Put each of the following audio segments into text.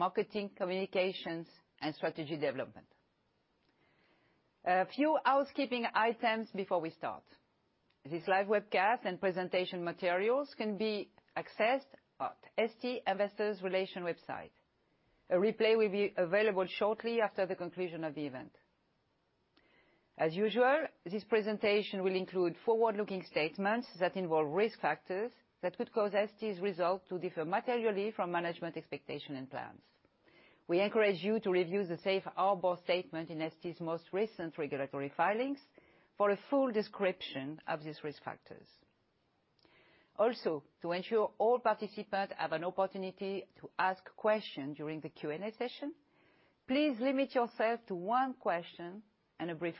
Sales, marketing, communications, and strategy development. A few housekeeping items before we start. This live webcast and presentation materials can be accessed at ST Investors Relations website. A replay will be available shortly after the conclusion of the event. As usual, this presentation will include forward-looking statements that involve risk factors that could cause ST's results to differ materially from management expectation and plans. We encourage you to review the safe harbor statement in ST's most recent regulatory filings for a full description of these risk factors. Also, to ensure all participants have an opportunity to ask questions during the Q&A session, please limit yourself to one question and a brief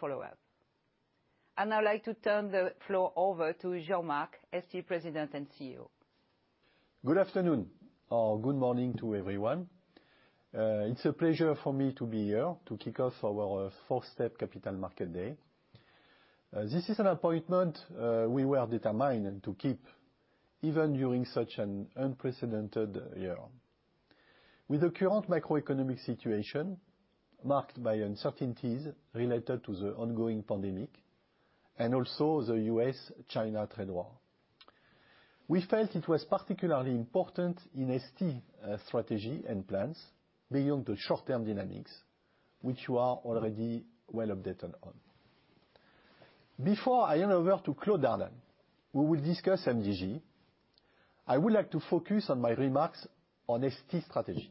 follow-up. I'd now like to turn the floor over to Jean-Marc, ST President and CEO. Good afternoon or good morning to everyone. It's a pleasure for me to be here to kick off our fourth step Capital Market Day. This is an appointment we were determined to keep even during such an unprecedented year. With the current macroeconomic situation marked by uncertainties related to the ongoing pandemic and also the U.S.-China trade war, we felt it was particularly important in ST strategy and plans beyond the short-term dynamics, which you are already well updated on. Before I hand over to Claude Dardanne, who will discuss MDG, I would like to focus my remarks on ST strategy.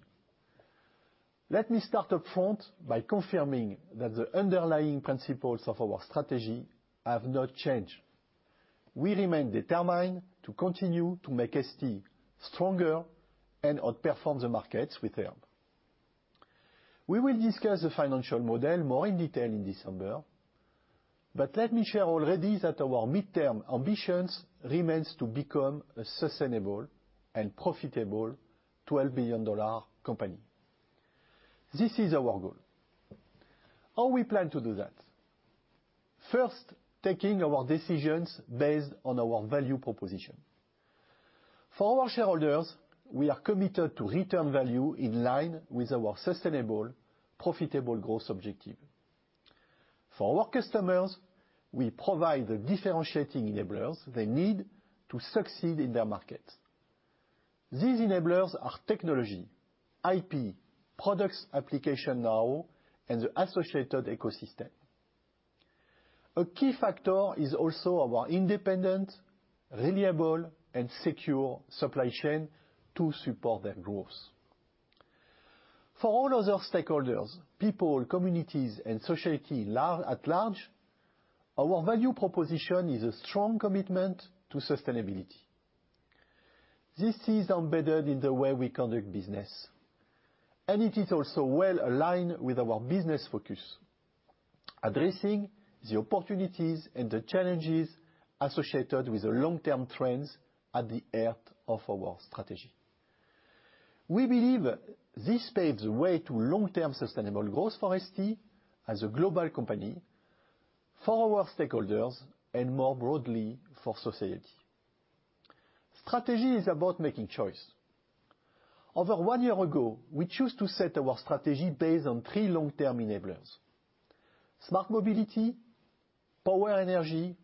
Let me start upfront by confirming that the underlying principles of our strategy have not changed. We remain determined to continue to make ST stronger and outperform the markets with them. We will discuss the financial model more in detail in December, but let me share already that our midterm ambitions remain to become a sustainable and profitable $12 billion company. This is our goal. How we plan to do that. First, taking our decisions based on our value proposition. For our shareholders, we are committed to return value in line with our sustainable, profitable growth objective. For our customers, we provide the differentiating enablers they need to succeed in their markets. These enablers are technology, IP, products application now, and the associated ecosystem. A key factor is also our independent, reliable, and secure supply chain to support their growth. For all other stakeholders, people, communities, and society at large, our value proposition is a strong commitment to sustainability. This is embedded in the way we conduct business, and it is also well-aligned with our business focus, addressing the opportunities and the challenges associated with the long-term trends at the heart of our strategy. We believe this paves the way to long-term sustainable growth for ST as a global company, for our stakeholders, and more broadly for society. Strategy is about making choice. Over one year ago, we chose to set our strategy based on three long-term enablers, smart mobility, power energy,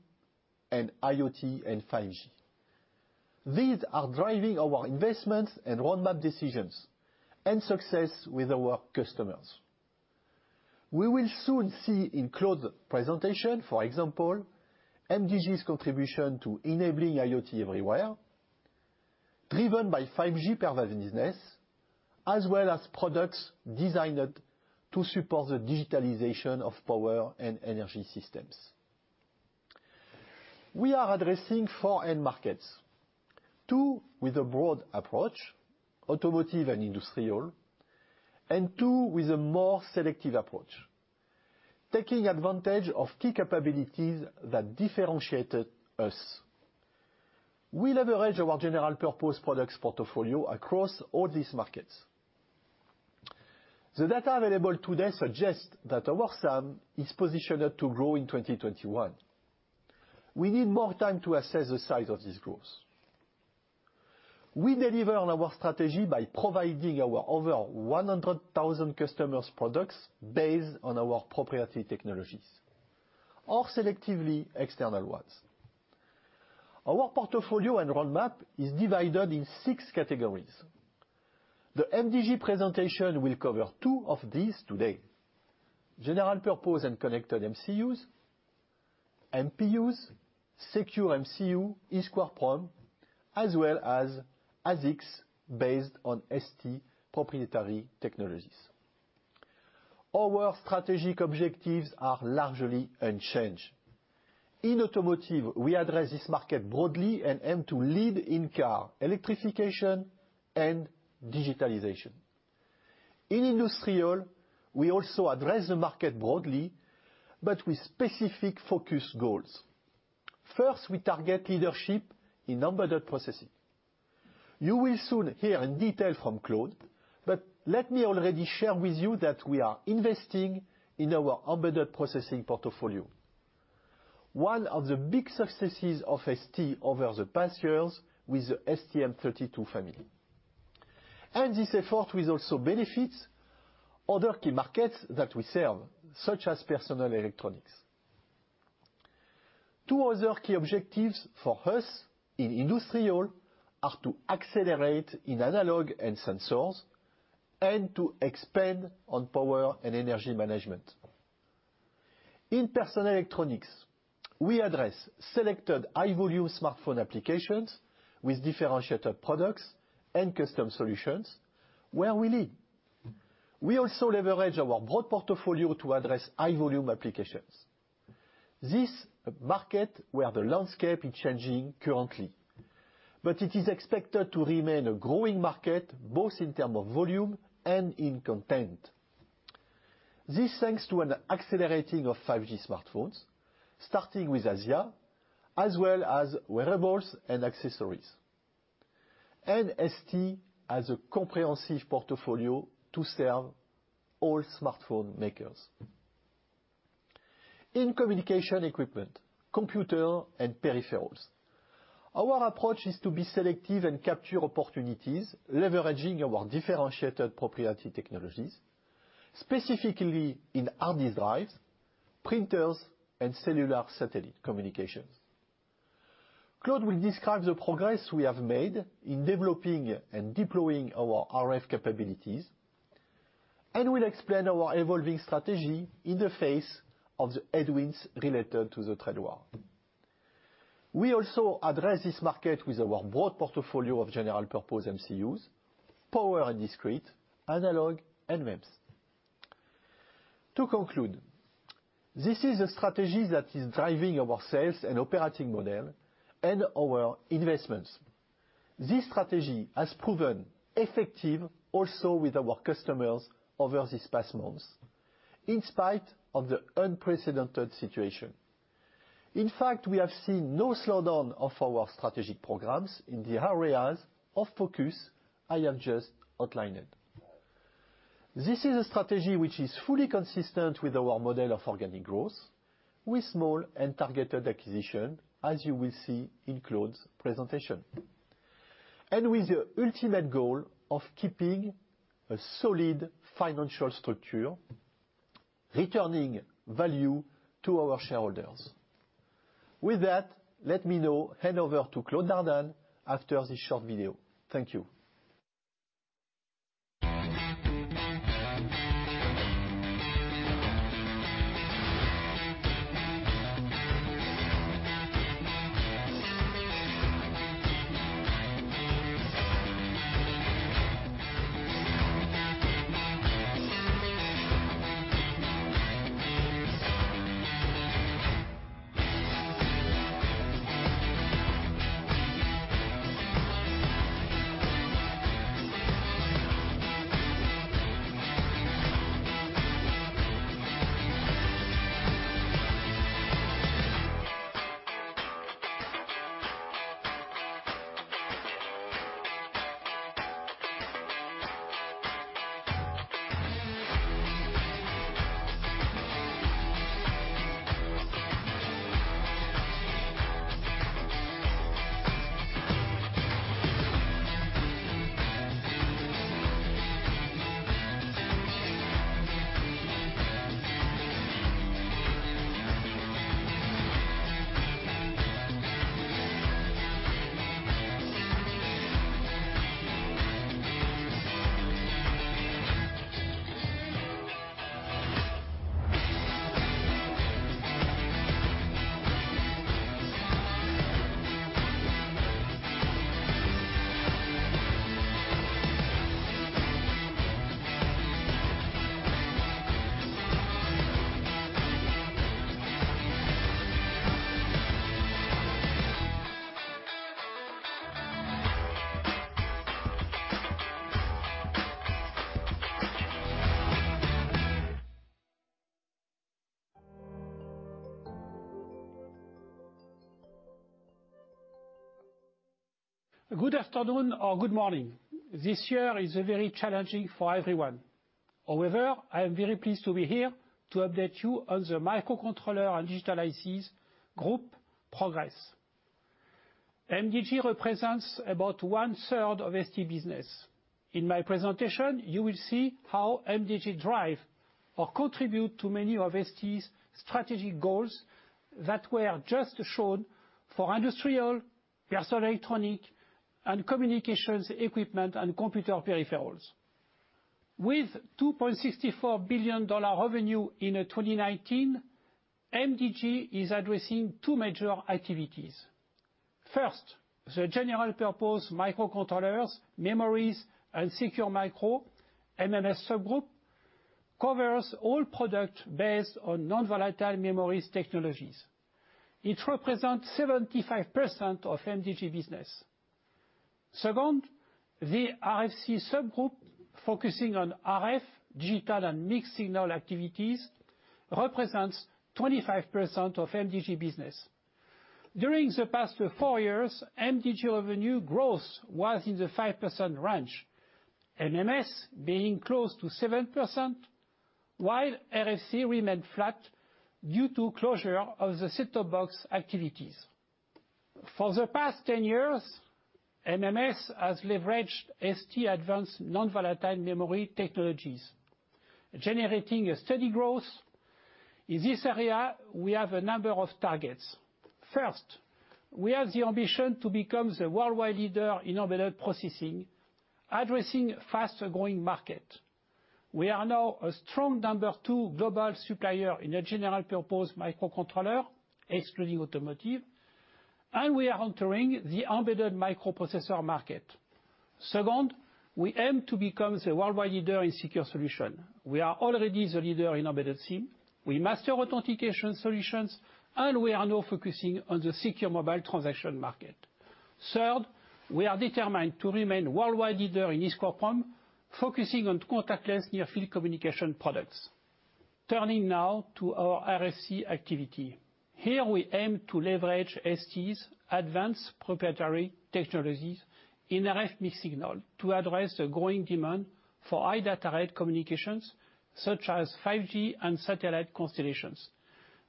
and IoT and 5G. These are driving our investments and roadmap decisions and success with our customers. We will soon see in Claude's presentation, for example, MDG's contribution to enabling IoT everywhere, driven by 5G pervasiveness, as well as products designed to support the digitalization of power and energy systems. We are addressing four end markets, two with a broad approach, automotive and industrial, and two with a more selective approach, taking advantage of key capabilities that differentiated us. We leverage our general-purpose products portfolio across all these markets. The data available today suggests that our SAM is positioned to grow in 2021. We need more time to assess the size of this growth. We deliver on our strategy by providing our over 100,000 customers products based on our proprietary technologies or selectively external ones. Our portfolio and roadmap is divided into six categories. The MDG presentation will cover two of these today, general purpose and connected MCUs, MPUs, secure MCU, EEPROM, as well as ASICs based on ST proprietary technologies. Our strategic objectives are largely unchanged. In automotive, we address this market broadly and aim to lead in-car electrification and digitalization. In industrial, we also address the market broadly, but with specific focus goals. First, we target leadership in embedded processing. You will soon hear in detail from Claude, but let me already share with you that we are investing in our embedded processing portfolio. One of the big successes of ST over the past years with the STM32 family. This effort will also benefit other key markets that we serve, such as personal electronics. Two other key objectives for us in industrial are to accelerate in analog and sensors and to expand on power and energy management. In personal electronics, we address selected high-volume smartphone applications with differentiated products and custom solutions where we lead. We also leverage our broad portfolio to address high-volume applications. This is a market where the landscape is changing currently, but it is expected to remain a growing market, both in term of volume and in content. This thanks to an accelerating of 5G smartphones, starting with Asia, as well as wearables and accessories. ST has a comprehensive portfolio to serve all smartphone makers. In communication equipment, computer, and peripherals, our approach is to be selective and capture opportunities, leveraging our differentiated proprietary technologies, specifically in hard disk drives, printers, and cellular satellite communications. Claude will describe the progress we have made in developing and deploying our RF capabilities and will explain our evolving strategy in the face of the headwinds related to the trade war. We also address this market with our broad portfolio of general-purpose MCUs, power and discrete, analog, and MEMS. To conclude, this is a strategy that is driving our sales and operating model and our investments. This strategy has proven effective also with our customers over these past months, in spite of the unprecedented situation. We have seen no slowdown of our strategic programs in the areas of focus I have just outlined. This is a strategy which is fully consistent with our model of organic growth, with small and targeted acquisition, as you will see in Claude's presentation. With the ultimate goal of keeping a solid financial structure, returning value to our shareholders. With that, let me now hand over to Claude Dardanne after this short video. Thank you. Good afternoon or good morning. This year is very challenging for everyone. I am very pleased to be here to update you on the Microcontrollers and Digital ICs Group progress. MDG represents about 1/3 of ST business. In my presentation, you will see how MDG drive or contribute to many of ST's strategic goals that were just shown for industrial, personal electronic, and communications equipment and computer peripherals. With EUR 2.64 billion revenue in 2019, MDG is addressing two major activities. First, the general-purpose microcontrollers, memories, and secure micro, MMS subgroup, covers all product based on non-volatile memories technologies. It represents 75% of MDG business. Second, the RFC subgroup, focusing on RF, digital, and mixed-signal activities, represents 25% of MDG business. During the past four years, MDG revenue growth was in the 5% range, MMS being close to 7%, while RFC remained flat due to closure of the set-top box activities. The past 10 years, MMS has leveraged ST advanced non-volatile memory technologies, generating a steady growth. In this area, we have a number of targets. First, we have the ambition to become the worldwide leader in embedded processing, addressing a faster-growing market. We are now a strong number two global supplier in a general-purpose microcontroller, excluding automotive, and we are entering the embedded microprocessor market. Second, we aim to become the worldwide leader in secure solutions. We are already the leader in embedded SIM. We master authentication solutions, and we are now focusing on the secure mobile transaction market. Third, we are determined to remain worldwide leader in [eSE compo], focusing on contactless near-field communication products. Turning now to our RFC activity. Here, we aim to leverage ST's advanced proprietary technologies in RF mixed-signal to address a growing demand for high-data-rate communications, such as 5G and satellite constellations.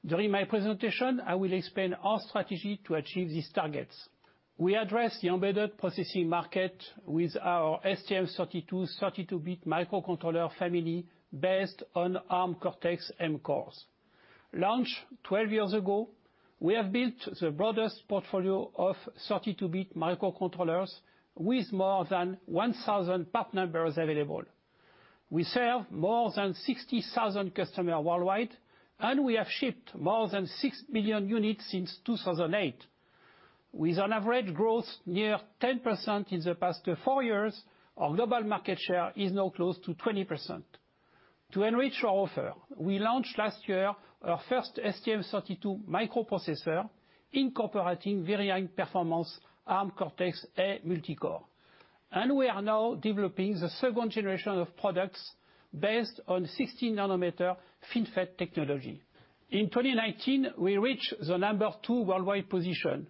During my presentation, I will explain our strategy to achieve these targets. We address the embedded processing market with our STM32 32-bit microcontroller family based on Arm Cortex-M cores. Launched 12 years ago, we have built the broadest portfolio of 32-bit microcontrollers with more than 1,000 part numbers available. We serve more than 60,000 customers worldwide, and we have shipped more than 6 million units since 2008. With an average growth near 10% in the past four years, our global market share is now close to 20%. To enrich our offer, we launched last year our first STM32 microprocessor incorporating varying performance Arm Cortex-A multicore. We are now developing the second generation of products based on 16-nm FinFET technology. In 2019, we reached the number two worldwide position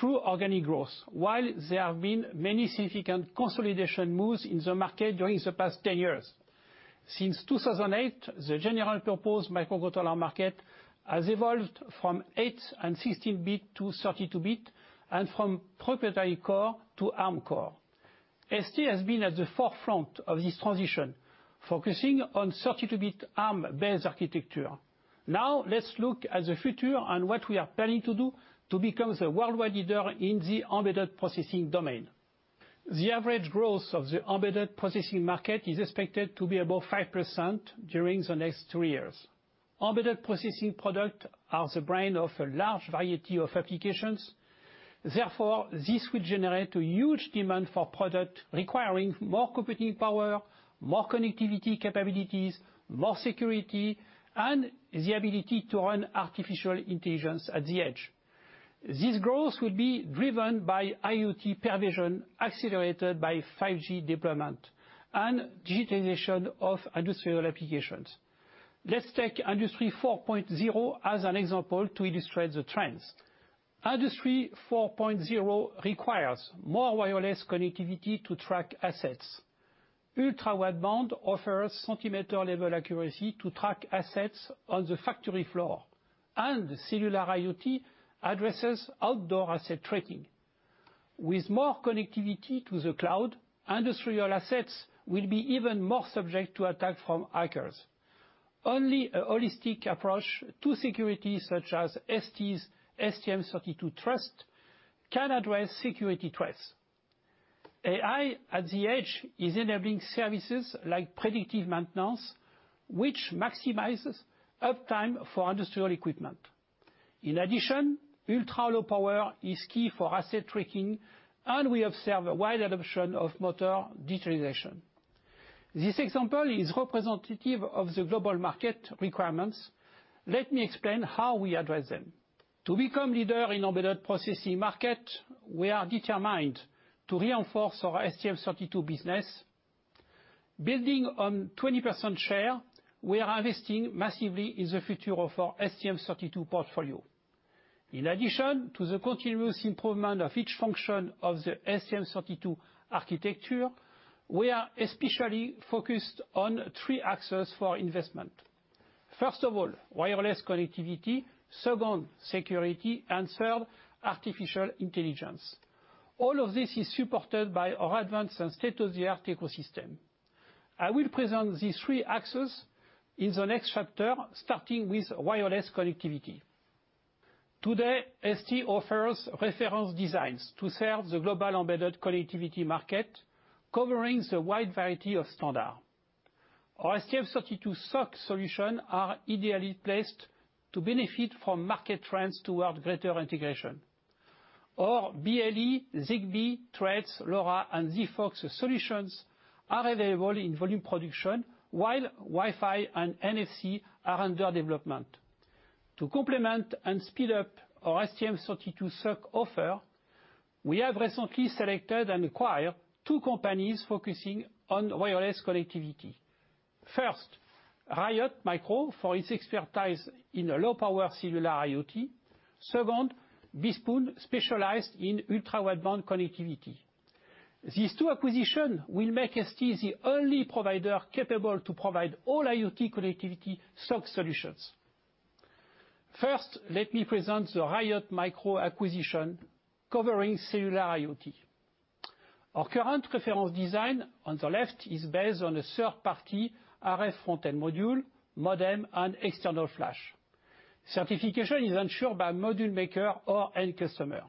through organic growth, while there have been many significant consolidation moves in the market during the past 10 years. Since 2008, the general-purpose microcontroller market has evolved from 8- and 16-bit to 32-bit, and from proprietary core to Arm core. ST has been at the forefront of this transition, focusing on 32-bit Arm-based architecture. Let's look at the future and what we are planning to do to become the worldwide leader in the embedded processing domain. The average growth of the embedded processing market is expected to be above 5% during the next three years. Embedded processing products are the brain of a large variety of applications. Therefore, this will generate a huge demand for products requiring more computing power, more connectivity capabilities, more security, and the ability to run artificial intelligence at the edge. This growth will be driven by IoT, accelerated by 5G deployment, and digitization of industrial applications. Let's take Industry 4.0 as an example to illustrate the trends. Industry 4.0 requires more wireless connectivity to track assets. Ultra-wideband offers centimeter-level accuracy to track assets on the factory floor, and cellular IoT addresses outdoor asset tracking. With more connectivity to the cloud, industrial assets will be even more subject to attack from hackers. Only a holistic approach to security such as ST's STM32Trust can address security threats. AI at the edge is enabling services like predictive maintenance, which maximizes uptime for industrial equipment. In addition, ultra-low power is key for asset tracking, and we observe a wide adoption of motor digitization. This example is representative of the global market requirements. Let me explain how we address them. To become leader in embedded processing market, we are determined to reinforce our STM32 business. Building on 20% share, we are investing massively in the future of our STM32 portfolio. In addition to the continuous improvement of each function of the STM32 architecture, we are especially focused on three axes for investment. First of all, wireless connectivity, second, security, and third, artificial intelligence. All of this is supported by our advanced and state-of-the-art ecosystem. I will present these three axes in the next chapter, starting with wireless connectivity. Today, ST offers reference designs to serve the global embedded connectivity market, covering a wide variety of standards. Our STM32 SoC solutions are ideally placed to benefit from market trends toward greater integration. Our BLE, Zigbee, Thread, LoRa, and Sigfox solutions are available in volume production, while Wi-Fi and NFC are under development. To complement and speed up our STM32 SoC offer. We have recently selected and acquired two companies focusing on wireless connectivity. First, Riot Micro for its expertise in low-power cellular IoT. Second, BeSpoon, specialized in ultra-wideband connectivity. These two acquisitions will make ST the only provider capable to provide all IoT connectivity SoC solutions. First, let me present the Riot Micro acquisition covering cellular IoT. Our current reference design, on the left, is based on a third-party RF front-end module, modem, and external flash. Certification is ensured by module maker or end customer.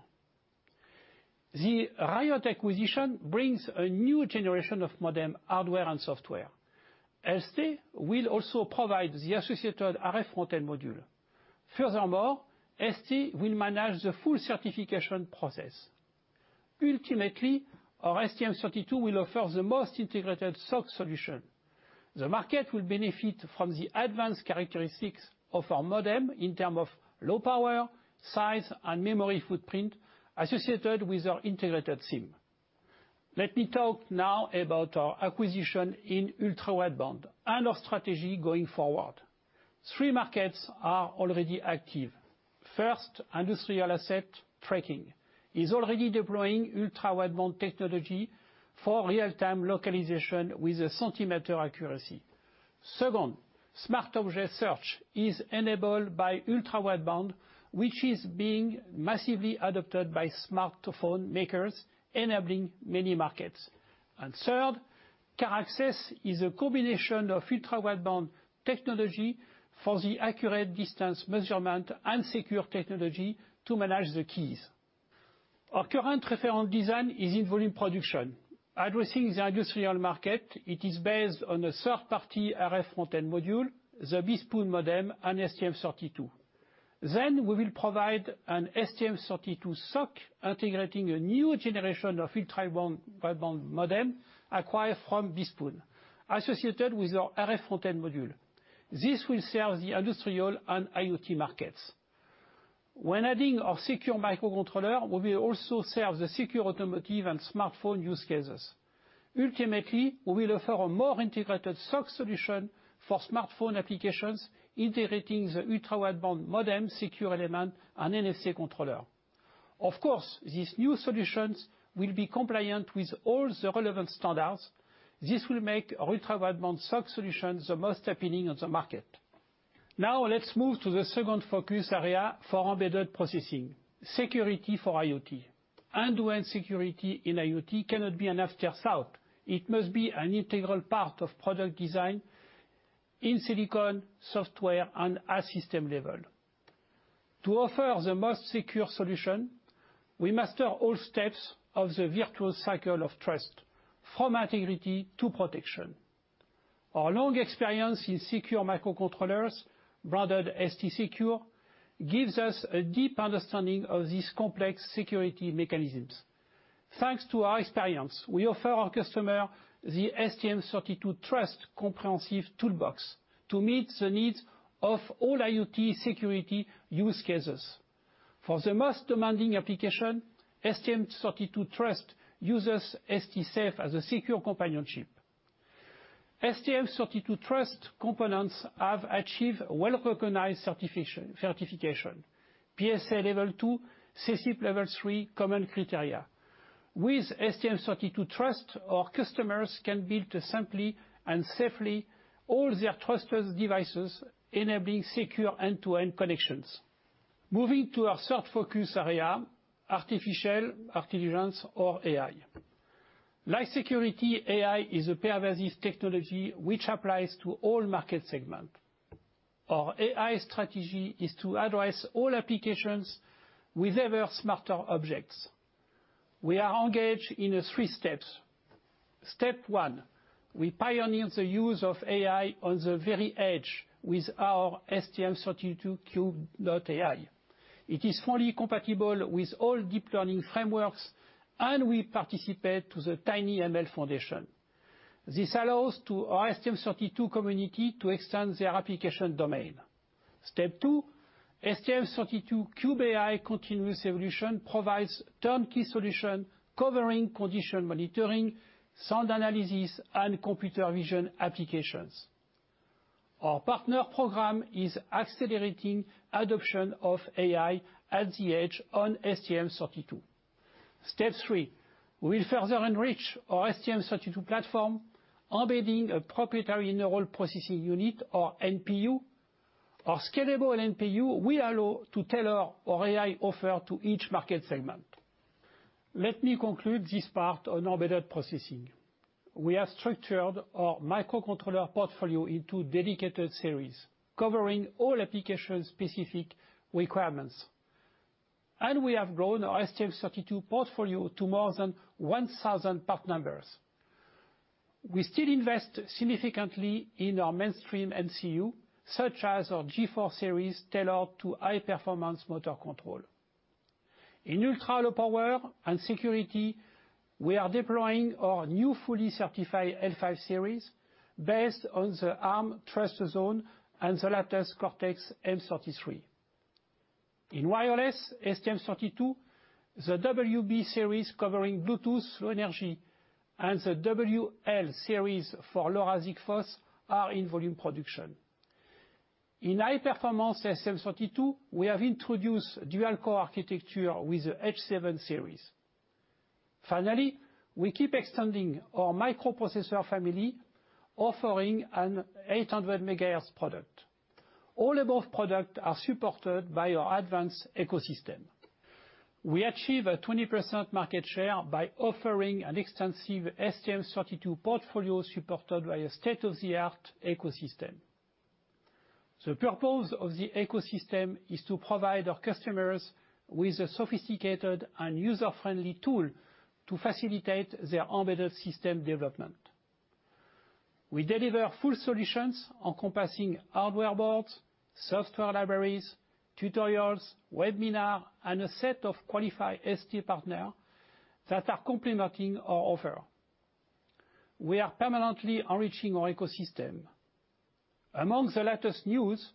The Riot acquisition brings a new generation of modem hardware and software. ST will also provide the associated RF front-end module. Furthermore, ST will manage the full certification process. Ultimately, our STM32 will offer the most integrated SoC solution. The market will benefit from the advanced characteristics of our modem in terms of low power, size, and memory footprint associated with our integrated SIM. Let me talk now about our acquisition in ultra-wideband and our strategy going forward. Three markets are already active. First, industrial asset tracking is already deploying ultra-wideband technology for real-time localization with a centimeter accuracy. Second, smart object search is enabled by ultra-wideband, which is being massively adopted by smartphone makers, enabling many markets. Third, car access is a combination of ultra-wideband technology for the accurate distance measurement and secure technology to manage the keys. Our current reference design is in volume production. Addressing the industrial market, it is based on a third-party RF front-end module, the BeSpoon modem, and STM32. We will provide an STM32 SoC integrating a new generation of ultra-wideband modem acquired from BeSpoon, associated with our RF front-end module. This will serve the industrial and IoT markets. When adding our secure microcontroller, we will also serve the secure automotive and smartphone use cases. Ultimately, we will offer a more integrated SoC solution for smartphone applications integrating the ultra-wideband modem secure element and NFC controller. Of course, these new solutions will be compliant with all the relevant standards. This will make our ultra-wideband SoC solutions the most appealing on the market. Let's move to the second focus area for embedded processing, security for IoT. End-to-end security in IoT cannot be an afterthought. It must be an integral part of product design in silicon, software, and at system level. To offer the most secure solution, we master all steps of the virtual cycle of trust, from integrity to protection. Our long experience in secure microcontrollers, branded STSECURE, gives us a deep understanding of these complex security mechanisms. Thanks to our experience, we offer our customer the STM32Trust comprehensive toolbox to meet the needs of all IoT security use cases. For the most demanding application, STM32Trust uses STSAFE as a secure companion chip. STM32Trust components have achieved well-recognized certification, PSA Level 2, SESIP Level 3 common criteria. With STM32Trust, our customers can build simply and safely all their trust devices, enabling secure end-to-end connections. Moving to our third focus area, artificial intelligence or AI. Like security, AI is a pervasive technology, which applies to all market segment. Our AI strategy is to address all applications with ever smarter objects. We are engaged in three steps. Step one, we pioneer the use of AI on the very edge with our STM32Cube.AI. It is fully compatible with all deep learning frameworks. We participate to the TinyML Foundation. This allows our STM32 community to extend their application domain. Step two, STM32Cube.AI continuous evolution provides turnkey solution covering condition monitoring, sound analysis, and computer vision applications. Our partner program is accelerating adoption of AI at the edge on STM32. Step three, we'll further enrich our STM32 platform, embedding a proprietary neural processing unit, or NPU. Our scalable NPU will allow to tailor our AI offer to each market segment. Let me conclude this part on embedded processing. We have structured our microcontroller portfolio into dedicated series, covering all application-specific requirements. We have grown our STM32 portfolio to more than 1,000 part numbers. We still invest significantly in our mainstream MCU, such as our G4 series, tailored to high-performance motor control. In ultra-low power and security. We are deploying our new fully certified L5 series based on the Arm TrustZone and the latest Cortex-M33. In wireless STM32, the WB series covering Bluetooth Low Energy and the WL series for LoRa SigFox are in volume production. In high-performance STM32, we have introduced dual-core architecture with the H7 series. Finally, we keep extending our microprocessor family, offering an 800 MHz product. All above product are supported by our advanced ecosystem. We achieve a 20% market share by offering an extensive STM32 portfolio supported by a state-of-the-art ecosystem. The purpose of the ecosystem is to provide our customers with a sophisticated and user-friendly tool to facilitate their embedded system development. We deliver full solutions encompassing hardware boards, software libraries, tutorials, webinar, and a set of qualified ST partner that are complementing our offer. We are permanently enriching our ecosystem. Among the latest news,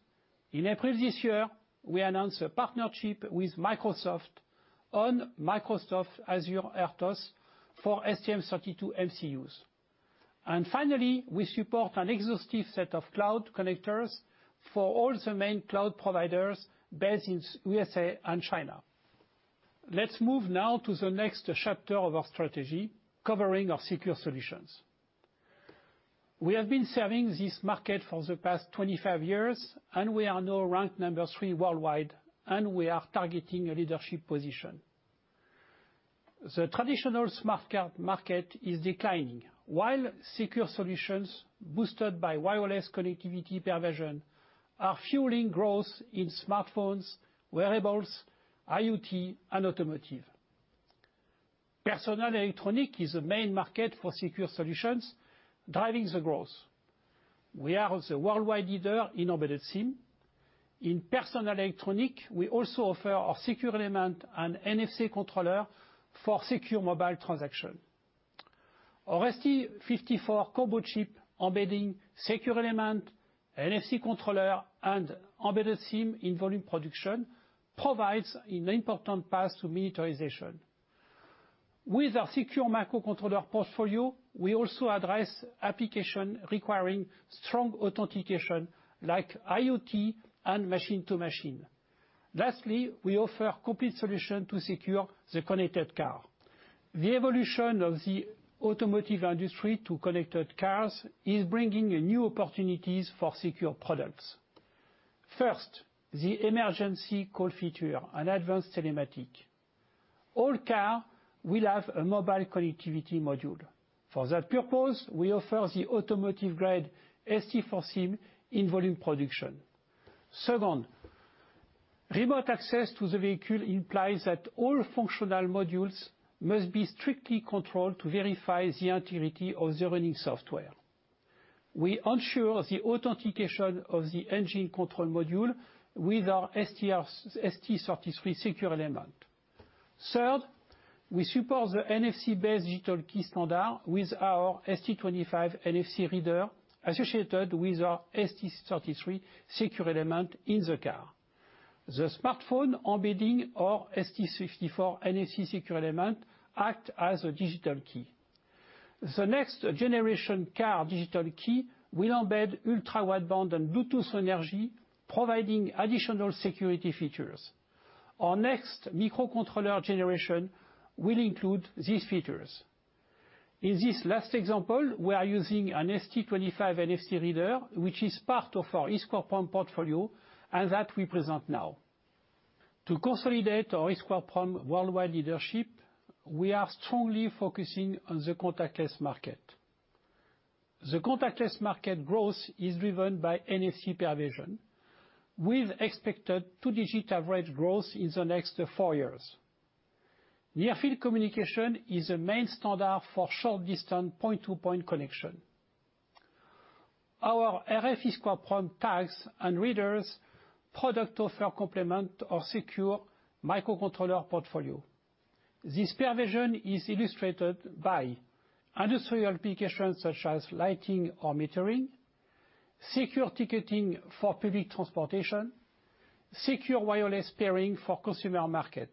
in April this year, we announced a partnership with Microsoft on Microsoft Azure RTOS for STM32 MCUs. Finally, we support an exhaustive set of cloud connectors for all the main cloud providers based in USA and China. Let's move now to the next chapter of our strategy, covering our secure solutions. We have been serving this market for the past 25 years, and we are now ranked number three worldwide, and we are targeting a leadership position. The traditional smart card market is declining, while secure solutions boosted by wireless connectivity pervasion are fueling growth in smartphones, wearables, IoT, and automotive. Personal electronics is a main market for secure solutions driving the growth. We are the worldwide leader in embedded SIM. In personal electronic, we also offer our secure element and NFC controller for secure mobile transaction. Our ST54 combo chip embedding secure element, NFC controller, and embedded SIM in volume production provides an important path to miniaturization. With our secure microcontroller portfolio, we also address application requiring strong authentication, like IoT and machine-to-machine. We offer complete solution to secure the connected car. The evolution of the automotive industry to connected cars is bringing new opportunities for secure products. First, the emergency call feature and advanced telematic. All cars will have a mobile connectivity module. For that purpose, we offer the automotive grade ST4SIM in volume production. Second, the remote access to the vehicle implies that all functional modules must be strictly controlled to verify the integrity of the running software. We ensure the authentication of the engine control module with our ST33 secure element. Third, we support the NFC-based digital key standard with our ST25 NFC reader associated with our ST33 secure element in the car. The smartphone embedding our ST54 NFC secure element act as a digital key. The next generation car digital key will embed ultra-wideband and Bluetooth energy, providing additional security features. Our next microcontroller generation will include these features. In this last example, we are using an ST25 NFC reader, which is part of our EEPROM portfolio, and that we present now. To consolidate our EEPROM worldwide leadership, we are strongly focusing on the contactless market. The contactless market growth is driven by NFC penetration, with expected two-digit average growth in the next four years. Near-field communication is a main standard for short-distance point-to-point connection. Our RF EEPROM tags and readers product offer complement our secure microcontroller portfolio. This version is illustrated by industrial applications such as lighting or metering, secure ticketing for public transportation, secure wireless pairing for consumer market.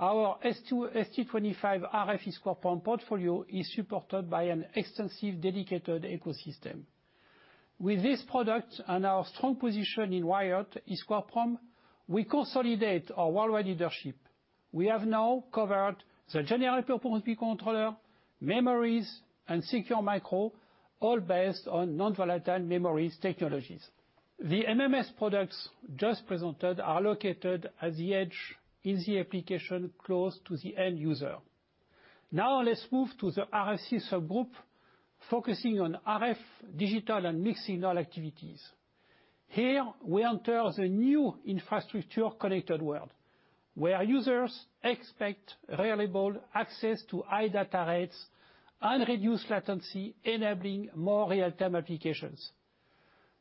Our ST25 RF EEPROM portfolio is supported by an extensive dedicated ecosystem. With this product and our strong position in wired EEPROM, we consolidate our worldwide leadership. We have now covered the generic open controller, memories, and secure micro, all based on non-volatile memories technologies. The MMS products just presented are located at the edge in the application close to the end user. Let's move to the RFC subgroup, focusing on RF, digital, and mixed-signal activities. Here, we enter the new infrastructure connected world, where users expect reliable access to high data rates and reduce latency, enabling more real-time applications.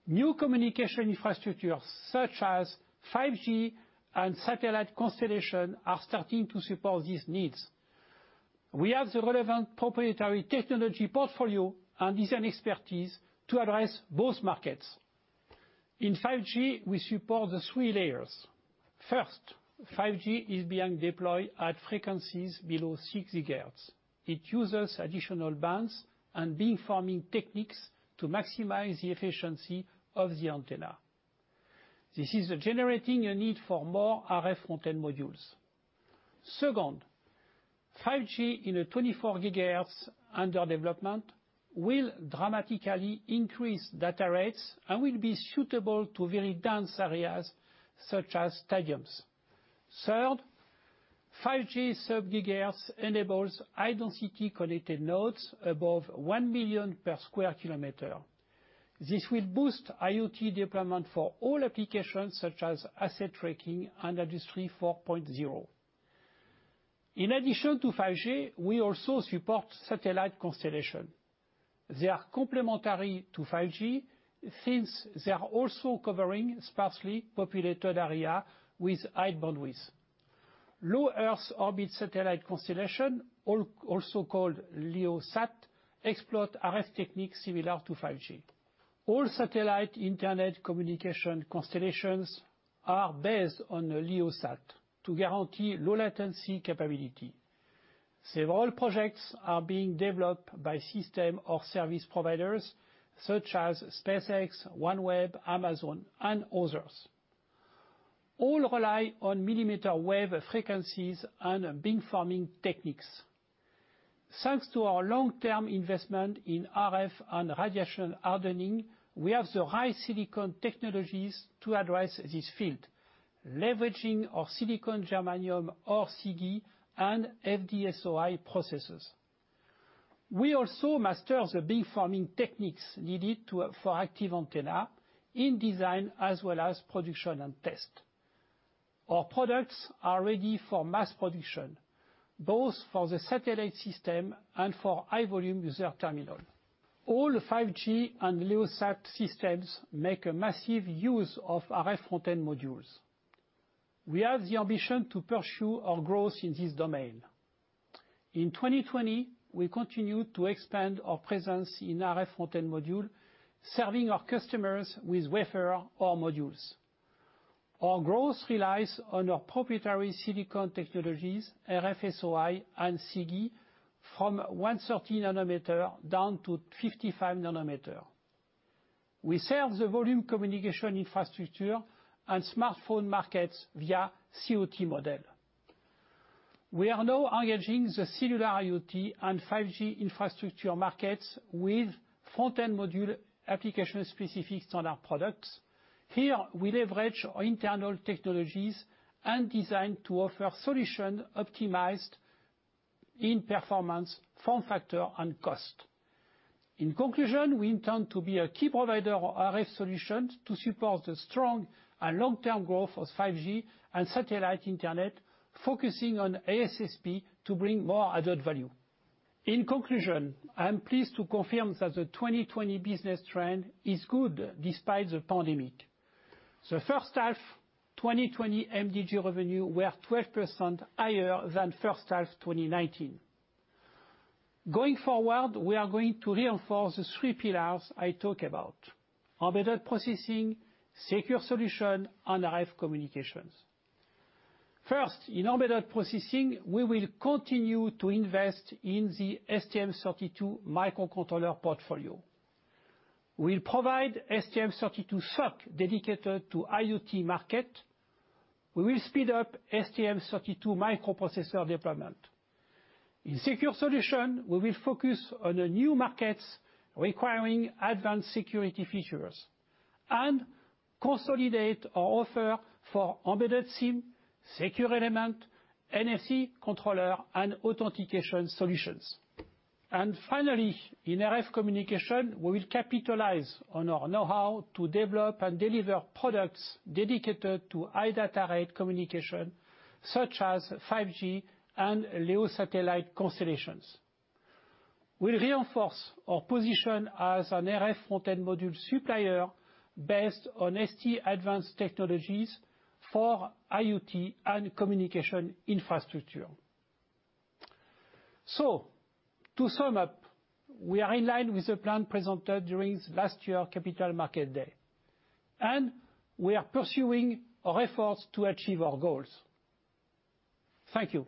New communication infrastructure such as 5G and satellite constellation are starting to support these needs. We have the relevant proprietary technology portfolio and design expertise to address both markets. In 5G, we support the three layers. First, 5G is being deployed at frequencies below 6 GHz. It uses additional bands and beamforming techniques to maximize the efficiency of the antenna. This is generating a need for more RF front-end modules. Second, 5G in a 24 GHz under development will dramatically increase data rates and will be suitable to very dense areas such as stadiums. Third, 5G sub-gigahertz enables high-density connected nodes above 1 million per square kilometer. This will boost IoT deployment for all applications such as asset tracking and Industry 4.0. In addition to 5G, we also support satellite constellation. They are complementary to 5G since they are also covering sparsely populated area with high bandwidth. Low-earth orbit satellite constellation, also called LEOSat, exploit RF techniques similar to 5G. All satellite internet communication constellations are based on the LEOSat to guarantee low latency capability. Several projects are being developed by system or service providers such as SpaceX, OneWeb, Amazon, and others. All rely on millimeter wave frequencies and beamforming techniques. Thanks to our long-term investment in RF and radiation hardening, we have the high silicon technologies to address this field, leveraging our silicon germanium, or SiGe, and FDSOI processes. We also master the beamforming techniques needed for active antenna in design as well as production and test. Our products are ready for mass production, both for the satellite system and for high-volume user terminal. All 5G and LEOSat systems make a massive use of RF front-end modules. We have the ambition to pursue our growth in this domain. In 2020, we continued to expand our presence in RF front-end module, serving our customers with wafer or modules. Our growth relies on our proprietary silicon technologies, RFSOI, and SiGe, from 130 nm down to 55 nm. We serve the volume communication infrastructure and smartphone markets via COT model. We are now engaging the cellular IoT and 5G infrastructure markets with front-end module application-specific standard products. Here, we leverage our internal technologies and design to offer solution optimized in performance, form factor, and cost. In conclusion, we intend to be a key provider of RF solutions to support the strong and long-term growth of 5G and satellite internet, focusing on ASSP to bring more added value. In conclusion, I am pleased to confirm that the 2020 business trend is good despite the pandemic. The first half 2020 MDG revenue were 12% higher than first half 2019. Going forward, we are going to reinforce the three pillars I talk about, embedded processing, secure solution, and RF communications. First, in embedded processing, we will continue to invest in the STM32 microcontroller portfolio. We'll provide STM32 SoC dedicated to IoT market. We will speed up STM32 microprocessor deployment. In secure solution, we will focus on the new markets requiring advanced security features and consolidate our offer for embedded SIM, secure element, NFC controller, and authentication solutions. Finally, in RF communication, we will capitalize on our know-how to develop and deliver products dedicated to high data rate communication, such as 5G and LEO satellite constellations. We'll reinforce our position as an RF front-end module supplier based on ST advanced technologies for IoT and communication infrastructure. To sum up, we are in line with the plan presented during last year Capital Market Day, and we are pursuing our efforts to achieve our goals. Thank you.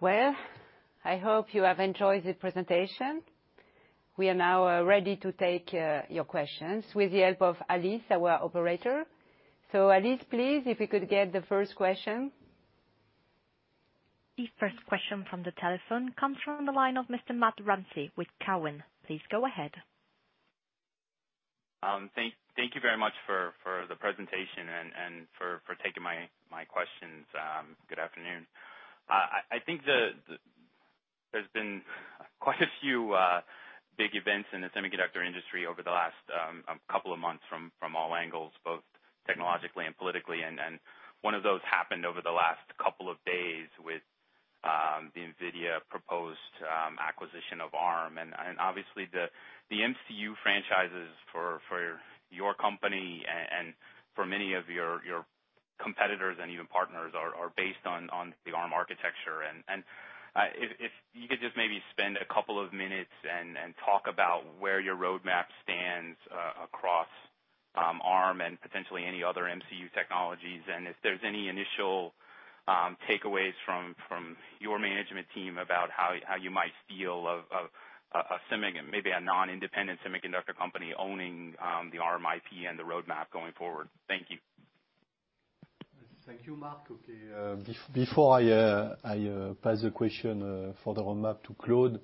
Well, I hope you have enjoyed the presentation. We are now ready to take your questions with the help of Elise, our operator. Elise, please, if we could get the first question. The first question from the telephone comes from the line of Mr. Matt Ramsay with Cowen. Please go ahead. Thank you very much for the presentation and for taking my questions. Good afternoon. I think there's been quite a few big events in the semiconductor industry over the last couple of months from all angles, both technologically and politically. One of those happened over the last couple of days with the NVIDIA proposed acquisition of Arm. Obviously the MCU franchises for your company and for many of your competitors and even partners are based on the Arm architecture. If you could just maybe spend a couple of minutes and talk about where your roadmap stands, across Arm and potentially any other MCU technologies. If there's any initial takeaways from your management team about how you might feel of maybe a non-independent semiconductor company owning, the Arm IP and the roadmap going forward. Thank you. Thank you, Matt. Okay. Before I pass the question for the roadmap to Claude.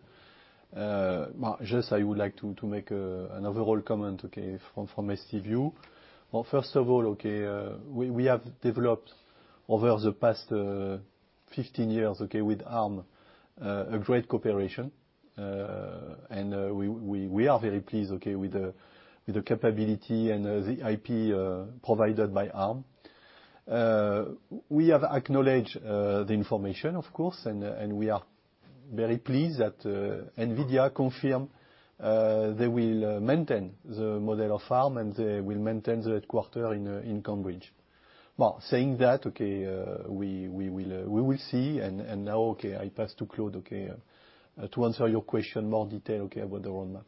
Just I would like to make another whole comment, okay, from ST view. Well, first of all, okay, we have developed over the past 15 years, okay, with Arm, a great cooperation. And we are very pleased, okay, with the capability and the IP provided by Arm. We have acknowledged the information, of course, and we are very pleased that NVIDIA confirm they will maintain the model of Arm, and they will maintain the headquarter in Cambridge. Well, saying that, okay, we will see. Now, okay, I pass to Claude, okay, to answer your question, more detail, okay, about the roadmap.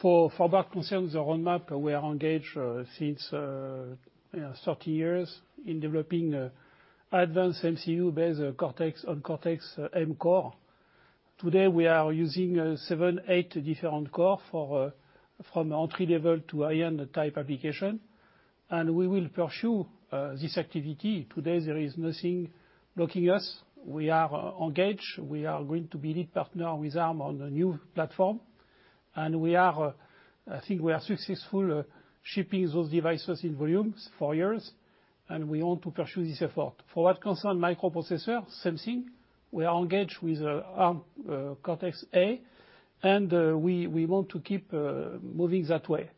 For that concern, the roadmap we are engaged since, 30 years in developing advanced MCU base on Cortex-M core. Today, we are using seven, eight different core from entry-level to high-end type application. We will pursue this activity. Today, there is nothing blocking us. We are engaged. We are going to be lead partner with Arm on the new platform. I think we are successful shipping those devices in volumes for years. We want to pursue this effort. For what concern microprocessor, same thing, we are engaged with Arm Cortex-A. We want to keep moving that way.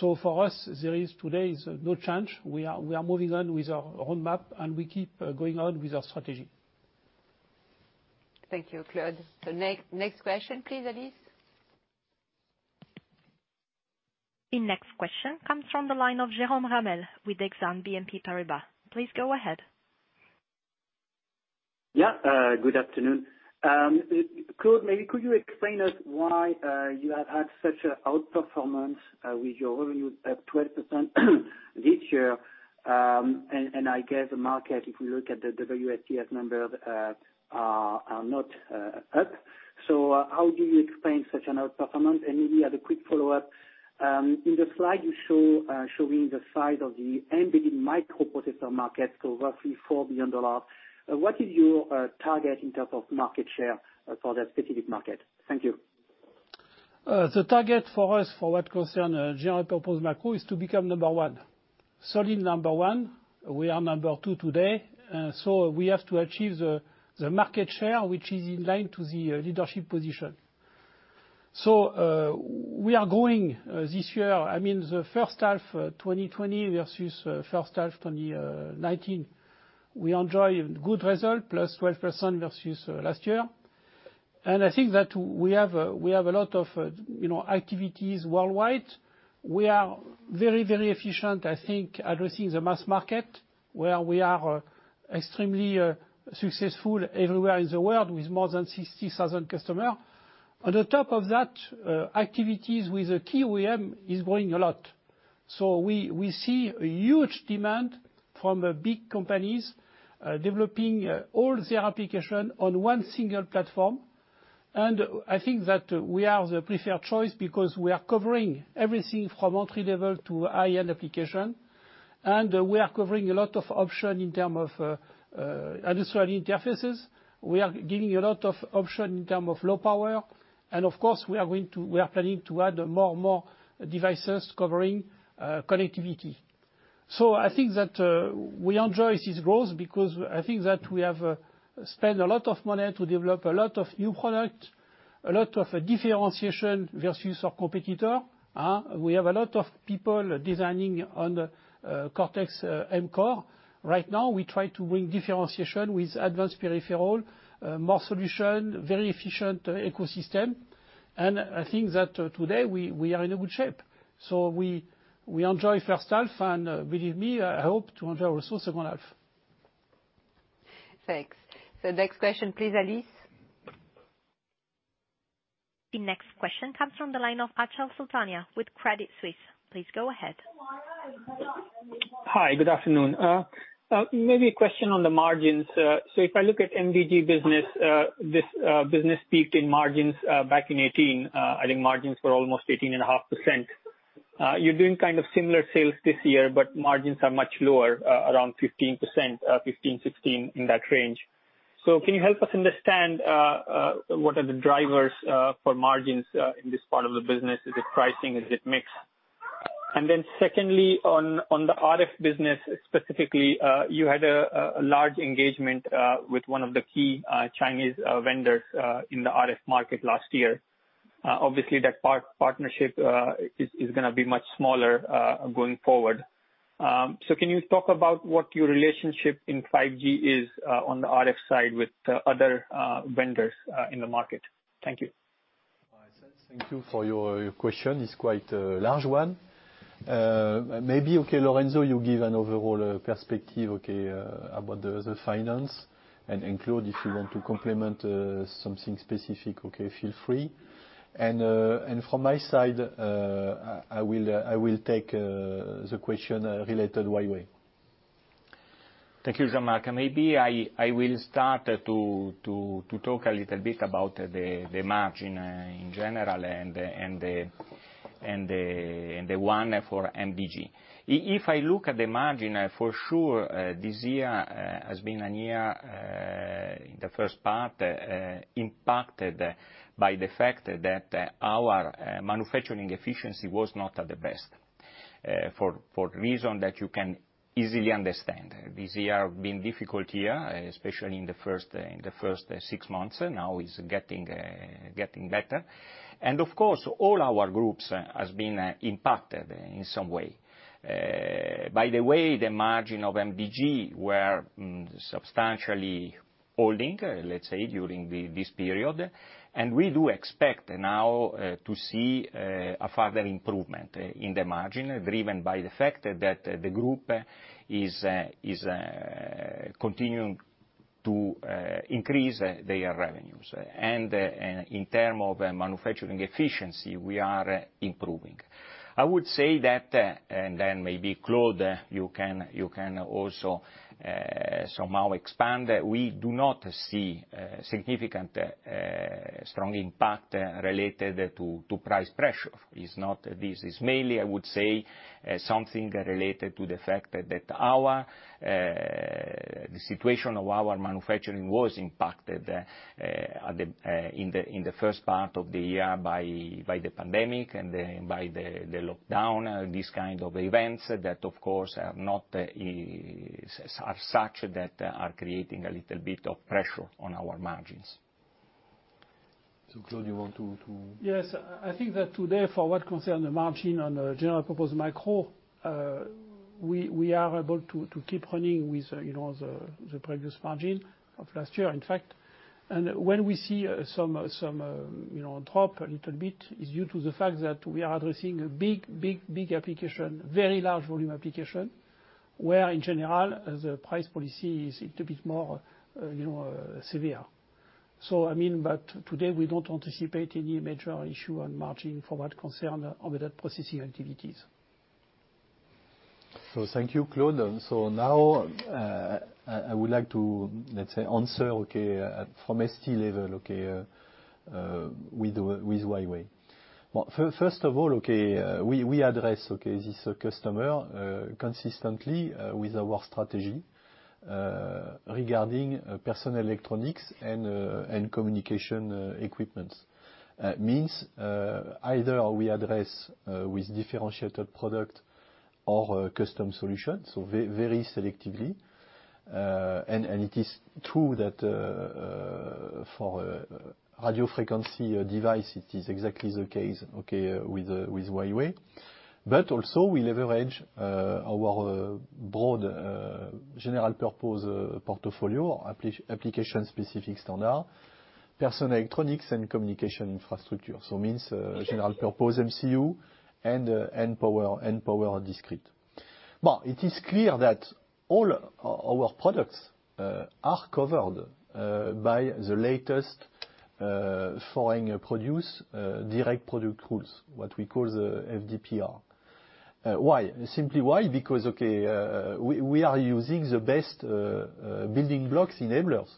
For us, there is today is no change. We are moving on with our roadmap. We keep going on with our strategy. Thank you, Claude. Next question please, Elise. The next question comes from the line of Jérôme Ramel with Exane BNP Paribas. Please go ahead. Yeah, good afternoon. Claude, maybe could you explain us why you have had such an outperformance with your revenue up 12% this year? I guess the market, if you look at the WSTS number, are not up. How do you explain such an outperformance? Maybe as a quick follow-up, in the slide you're showing the size of the embedded microprocessor market, roughly EUR 4 billion. What is your target in term of market share for that specific market? Thank you. The target for us, for what concern general purpose micro is to become number one, solid number one. We are number two today. We have to achieve the market share, which is in line to the leadership position. We are growing this year, I mean, the first half 2020 versus first half 2019, we enjoy good result, +12% versus last year. I think that we have a lot of activities worldwide. We are very efficient, I think, addressing the mass market, where we are extremely successful everywhere in the world, with more than 60,000 customers. On top of that, activities with the key OEM is growing a lot. We see a huge demand from big companies developing all their application on one single platform. I think that we are the preferred choice because we are covering everything from entry-level to high-end application, and we are covering a lot of option in term of industrial interfaces. We are giving a lot of option in term of low power, and of course, we are planning to add more devices covering connectivity. I think that we enjoy this growth because I think that we have spent a lot of money to develop a lot of new product, a lot of differentiation versus our competitor. We have a lot of people designing on the Cortex-M core. Right now, we try to bring differentiation with advanced peripheral, more solution, very efficient ecosystem. I think that today, we are in a good shape. We enjoy first half and believe me, I hope to enjoy also second half. Thanks. Next question, please, Elise. The next question comes from the line of Achal Sultania with Credit Suisse. Please go ahead. Hi, good afternoon. Maybe a question on the margins. If I look at MDG business, this business peaked in margins back in 2018. I think margins were almost 18.5%. You're doing kind of similar sales this year, but margins are much lower, around 15%-16%, in that range. Can you help us understand what are the drivers for margins in this part of the business? Is it pricing? Is it mix? Secondly, on the RF business specifically, you had a large engagement with one of the key Chinese vendors in the RF market last year. Obviously, that partnership is going to be much smaller going forward. Can you talk about what your relationship in 5G is on the RF side with other vendors in the market? Thank you. Thank you for your question. It is quite a large one. Maybe, Lorenzo, you give an overall perspective about the finance and Claude if you want to complement something specific, feel free. From my side, I will take the question related Huawei. Thank you, Jean-Marc. Maybe I will start to talk a little bit about the margin in general and the one for MDG. If I look at the margin, for sure, this year has been a year, in the first part, impacted by the fact that our manufacturing efficiency was not at the best, for reason that you can easily understand. This year have been difficult year, especially in the first six months. Now is getting better. Of course, all our groups has been impacted in some way. By the way, the margin of MDG were substantially holding, let's say, during this period. We do expect now to see a further improvement in the margin, driven by the fact that the group is continuing to increase their revenues. In term of manufacturing efficiency, we are improving. I would say that, and then maybe Claude, you can also somehow expand, we do not see significant strong impact related to price pressure. This is mainly, I would say, something related to the fact that the situation of our manufacturing was impacted in the first part of the year by the pandemic and by the lockdown, and these kind of events that of course, are such that are creating a little bit of pressure on our margins. Claude, you want to? Yes. I think that today, for what concern the margin on the general purpose micro, we are able to keep running with the previous margin of last year, in fact. When we see some drop a little bit, is due to the fact that we are addressing a big application, very large volume application, where in general, the price policy is a little bit more severe. Today, we don't anticipate any major issue on margin for what concern on the processing activities. Thank you, Claude. Now, I would like to answer from ST level with Huawei. First of all, we address this customer consistently with our strategy regarding personal electronics and communication equipment. Means either we address with differentiated product or a custom solution, very selectively. It is true that for a radio frequency device, it is exactly the case with Huawei. Also, we leverage our broad general purpose portfolio, application-specific standard product electronics and communication infrastructure. Means general purpose MCU and power discrete. It is clear that all our products are covered by the latest foreign-produced direct product rules, what we call the FDPR. Why? Simply why? Because we are using the best building blocks enablers.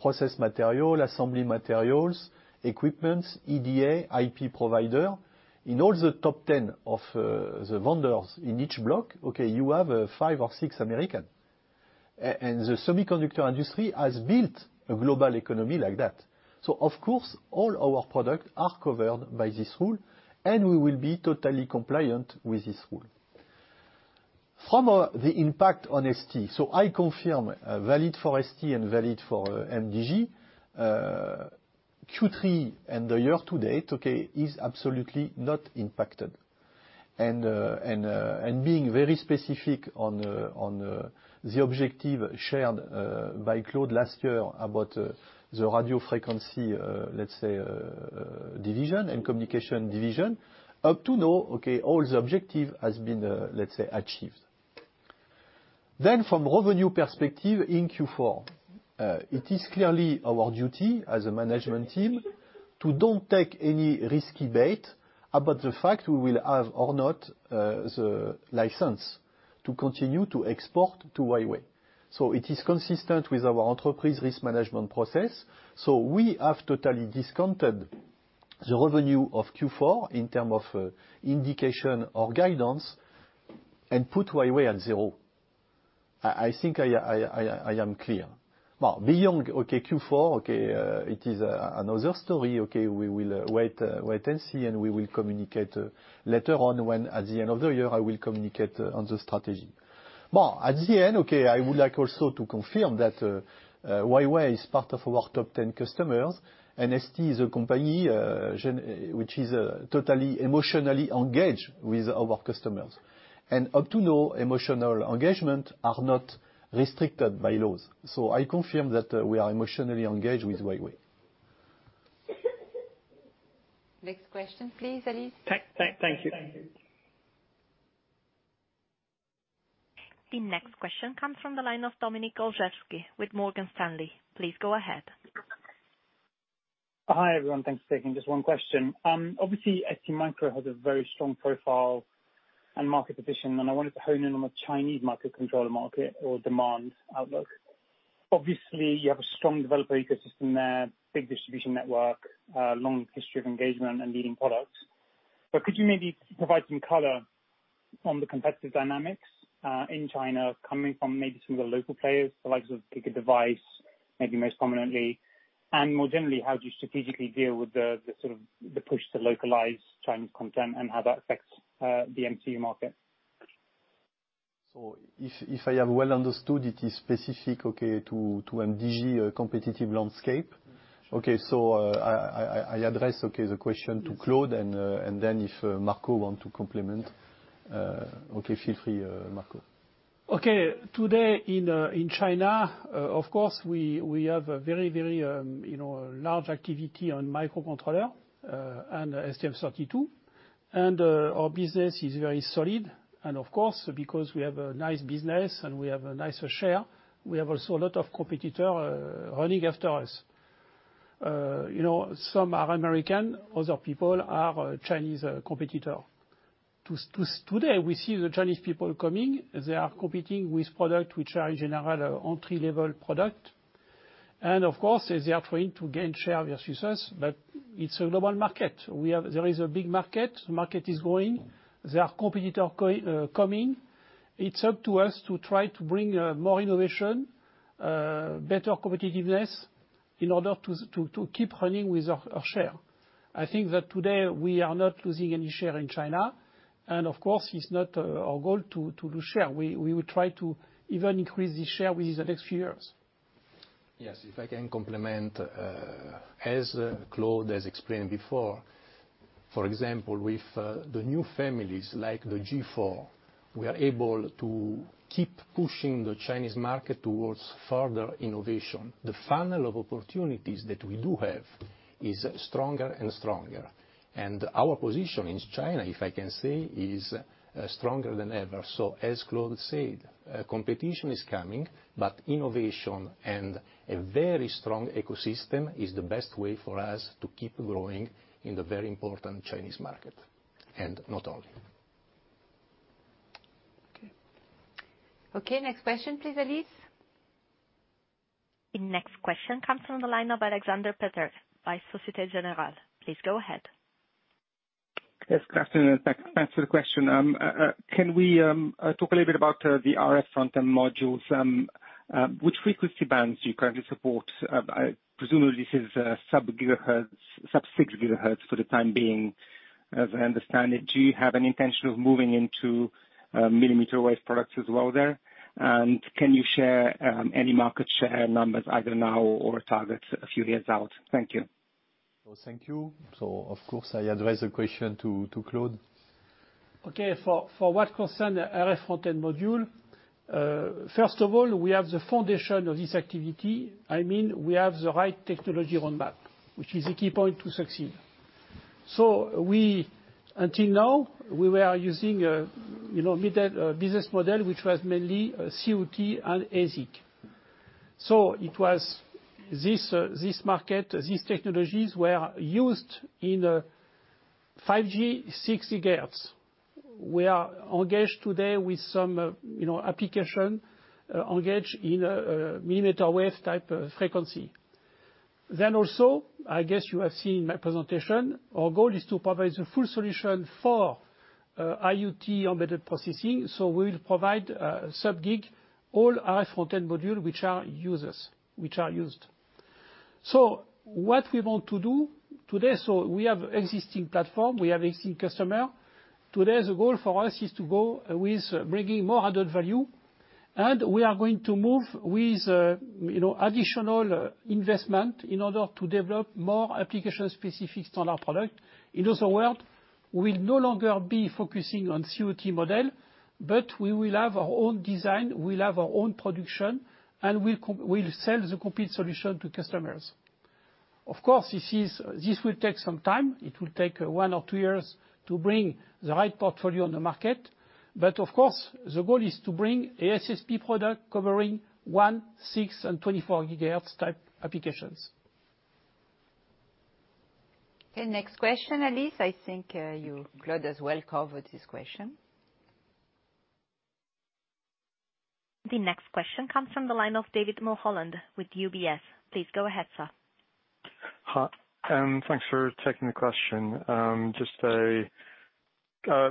Process material, assembly materials, equipment, EDA, IP provider. In all the top 10 of the vendors in each block, okay, you have five or six American. The semiconductor industry has built a global economy like that. Of course, all our products are covered by this rule, and we will be totally compliant with this rule. From the impact on ST, so I confirm, valid for ST and valid for MDG, Q3 and the year to date, okay, is absolutely not impacted. Being very specific on the objective shared by Claude last year about the radio frequency, let's say division and communication division, up to now, okay, all the objective has been, let's say, achieved. From revenue perspective in Q4, it is clearly our duty as a management team to don't take any risky bet about the fact we will have or not the license to continue to export to Huawei. It is consistent with our enterprise risk management process. We have totally discounted the revenue of Q4 in term of indication or guidance and put Huawei at zero. I think I am clear. Well, beyond Q4, it is another story. We will wait and see, and we will communicate later on when at the end of the year I will communicate on the strategy. Well, at the end, I would like also to confirm that Huawei is part of our top 10 customers, and ST is a company which is totally emotionally engaged with our customers. Up to now, emotional engagement are not restricted by laws. I confirm that we are emotionally engaged with Huawei. Next question, please, Elise. Thank you. The next question comes from the line of Dominik Olszewski with Morgan Stanley. Please go ahead. Hi, everyone. Thanks for taking, just one question. Obviously, STMicro has a very strong profile and market position. I wanted to hone in on the Chinese microcontroller market or demand outlook. Obviously, you have a strong developer ecosystem there, big distribution network, long history of engagement and leading products. Could you maybe provide some color on the competitive dynamics in China coming from maybe some of the local players, the likes of GigaDevice, maybe most prominently? More generally, how do you strategically deal with the sort of the push to localize Chinese content and how that affects the MCU market? If I have well understood, it is specific to MDG competitive landscape. I address the question to Claude, if Marco want to complement, feel free, Marco. Okay. Today, in China, of course, we have a very, very large activity on microcontroller and STM32. Our business is very solid. Of course, because we have a nice business and we have a nicer share, we have also a lot of competitor running after us. Some are American, other people are Chinese competitor. Today, we see the Chinese people coming. They are competing with product which are in general entry-level product. Of course, they are trying to gain share versus us, but it's a global market. There is a big market. The market is growing. There are competitor coming. It's up to us to try to bring more innovation, better competitiveness in order to keep running with our share. I think that today we are not losing any share in China. Of course, it's not our goal to lose share. We will try to even increase the share within the next few years. Yes. If I can complement, as Claude has explained before, for example, with the new families like the STM32G4, we are able to keep pushing the Chinese market towards further innovation. The funnel of opportunities that we do have is stronger and stronger. Our position in China, if I can say, is stronger than ever. As Claude said, competition is coming, but innovation and a very strong ecosystem is the best way for us to keep growing in the very important Chinese market, and not only. Okay. Okay, next question, please, Elise. The next question comes from the line of Aleksander Peterc by Société Générale. Please go ahead. Yes, good afternoon, and thanks for the question. Can we talk a little bit about the RF front-end modules? Which frequency bands do you currently support? Presumably, this is sub-gigahertz, sub-6 GHz for the time being, as I understand it. Do you have any intention of moving into millimeter wave products as well there? Can you share any market share numbers either now or targets a few years out? Thank you. Thank you. Of course, I address the question to Claude. For what concern RF front-end module, first of all, we have the foundation of this activity. I mean, we have the right technology roadmap, which is a key point to succeed. Until now, we were using a business model, which was mainly COT and ASIC. It was this market, these technologies were used in 5G, 60 GHz. We are engaged today with some application, engaged in a millimeter wave type of frequency. Also, I guess you have seen my presentation. Our goal is to provide the full solution for IoT embedded processing. We will provide a sub-gig, all RF front-end module which are used. What we want to do today, so we have existing platform, we have existing customer. Today, the goal for us is to go with bringing more added value, and we are going to move with additional investment in order to develop more application-specific standard product. In other words, we'll no longer be focusing on COT model, but we will have our own design, we'll have our own production, and we'll sell the complete solution to customers. Of course, this will take some time. It will take one or two years to bring the right portfolio on the market. Of course, the goal is to bring ASSP product covering 1 GHz, 6 GHz, and 24 GHz type applications. Okay, next question. Elise, I think Claude as well covered this question. The next question comes from the line of David Mulholland with UBS. Please go ahead, sir. Hi, thanks for taking the question. Just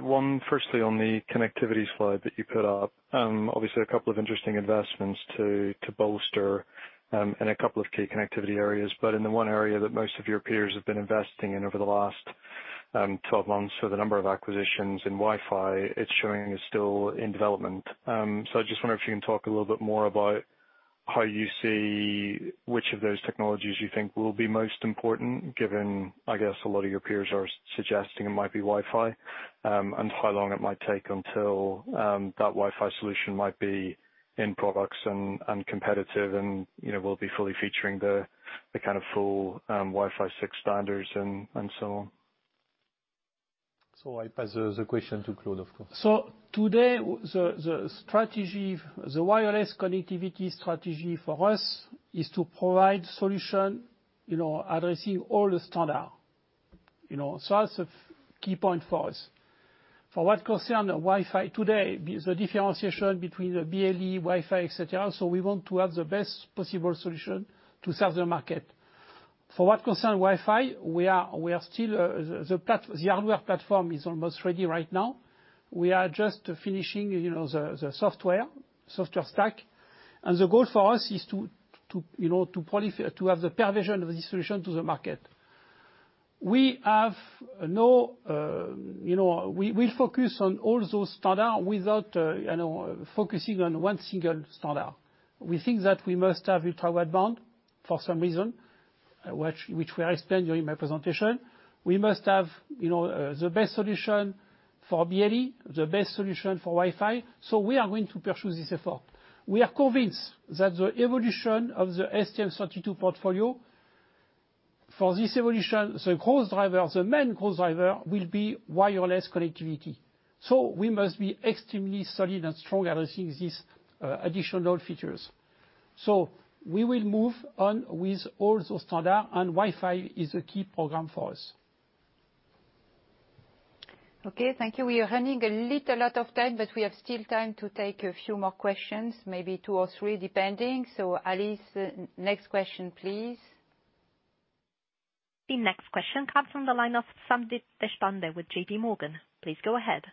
one firstly on the connectivity slide that you put up. Obviously, a couple of interesting investments to bolster, and a couple of key connectivity areas. In the one area that most of your peers have been investing in over the last 12 months, so the number of acquisitions in Wi-Fi, it's showing it's still in development. I just wonder if you can talk a little bit more about how you see which of those technologies you think will be most important, given, I guess, a lot of your peers are suggesting it might be Wi-Fi. How long it might take until that Wi-Fi solution might be in products and competitive and will be fully featuring the kind of full Wi-Fi 6 standards and so on. I pass the question to Claude, of course. Today, the wireless connectivity strategy for us is to provide solution addressing all the standard. That's a key point for us. For what concern Wi-Fi today, the differentiation between the BLE Wi-Fi, et cetera, we want to have the best possible solution to serve the market. For what concern Wi-Fi, the hardware platform is almost ready right now. We are just finishing the software stack. The goal for us is to have the provision of the solution to the market. We will focus on all those standard without focusing on one single standard. We think that we must have ultra-wideband for some reason, which I explained during my presentation. We must have the best solution for BLE, the best solution for Wi-Fi. We are going to pursue this effort. We are convinced that the evolution of the STM32 portfolio, for this evolution, the main growth driver will be wireless connectivity. We must be extremely solid and strong addressing these additional features. We will move on with all those standard. Wi-Fi is a key program for us. Okay, thank you. We are running a little out of time, but we have still time to take a few more questions, maybe two or three, depending. Elise, next question, please. The next question comes from the line of Sandeep Deshpande with JPMorgan. Please go ahead.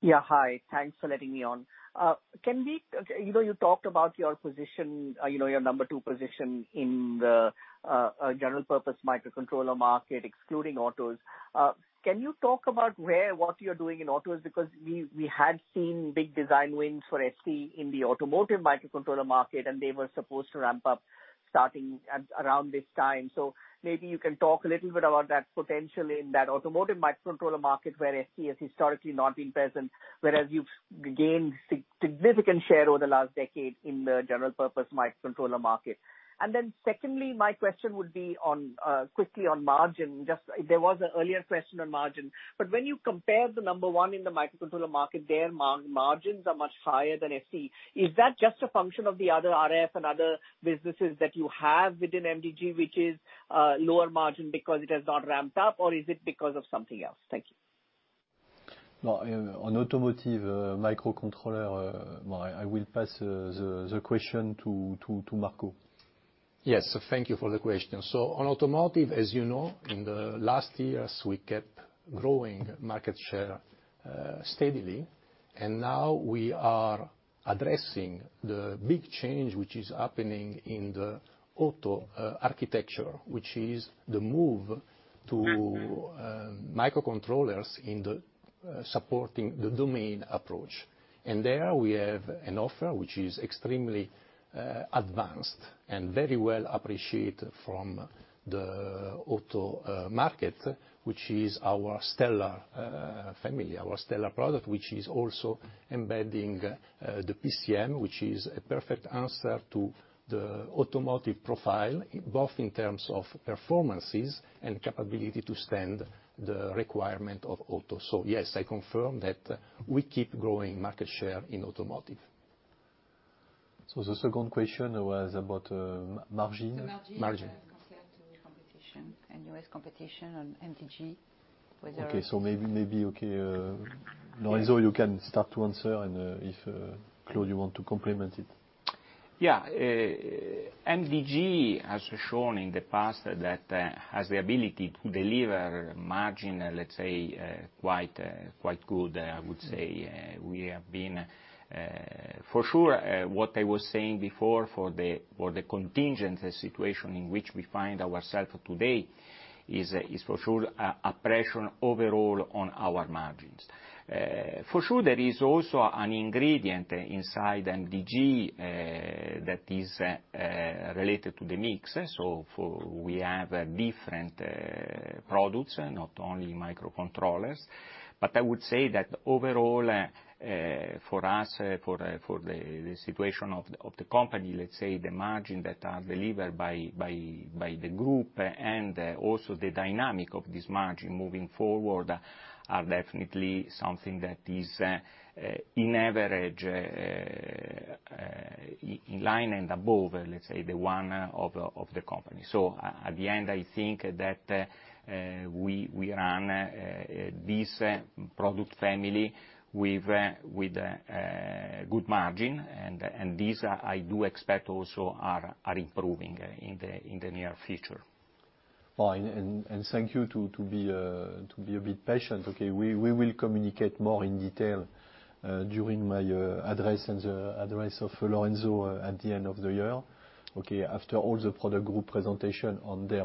Yeah. Hi. Thanks for letting me on. You talked about your number two position in the general purpose microcontroller market, excluding autos. Can you talk about what you're doing in autos? We had seen big design wins for ST in the automotive microcontroller market, and they were supposed to ramp up starting around this time. Maybe you can talk a little bit about that potential in that automotive microcontroller market where ST has historically not been present, whereas you've gained significant share over the last decade in the general purpose microcontroller market. Secondly, my question would be quickly on margin. There was an earlier question on margin, but when you compare the number one in the microcontroller market, their margins are much higher than ST. Is that just a function of the other RF and other businesses that you have within MDG, which is lower margin because it has not ramped up, or is it because of something else? Thank you. On automotive microcontroller, I will pass the question to Marco. Yes. Thank you for the question. On automotive, as you know, in the last years, we kept growing market share steadily, and now we are addressing the big change which is happening in the auto architecture, which is the move to microcontrollers in the supporting the domain approach. There we have an offer which is extremely advanced and very well appreciated from the auto market, which is our Stellar family, our Stellar product, which is also embedding the PCM, which is a perfect answer to the automotive profile, both in terms of performances and capability to stand the requirement of auto. Yes, I confirm that we keep growing market share in automotive. The second question was about margin. The margin- Margin compared to competition, and U.S. competition on MDG. Okay. Maybe, okay, Lorenzo, you can start to answer, and if, Claude, you want to complement it. Yeah. MDG has shown in the past that has the ability to deliver margin, let's say, quite good, I would say. For sure, what I was saying before for the contingent situation in which we find ourself today, is for sure, a pressure overall on our margins. For sure, there is also an ingredient inside MDG, that is related to the mix. For we have different products, not only microcontrollers. I would say that overall, for us, for the situation of the company, let's say the margin that are delivered by the Group and also the dynamic of this margin moving forward are definitely something that is in average, in line and above, let's say, the one of the company. At the end, I think that we run this product family with good margin, and these I do expect also are improving in the near future. Fine. Thank you to be a bit patient. We will communicate more in detail, during my address and the address of Lorenzo at the end of the year, after all the product group presentation on their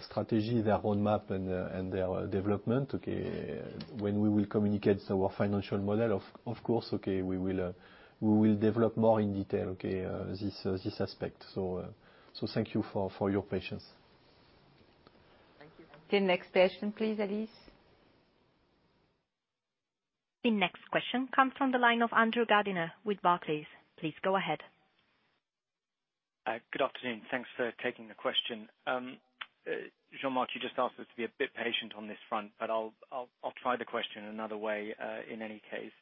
strategy, their roadmap, and their development, when we will communicate our financial model, of course, we will develop more in detail, this aspect. Thank you for your patience. Thank you. The next question, please, Elise. The next question comes from the line of Andrew Gardiner with Barclays. Please go ahead. Good afternoon. Thanks for taking the question. Jean-Marc, you just asked us to be a bit patient on this front, but I'll try the question another way, in any case.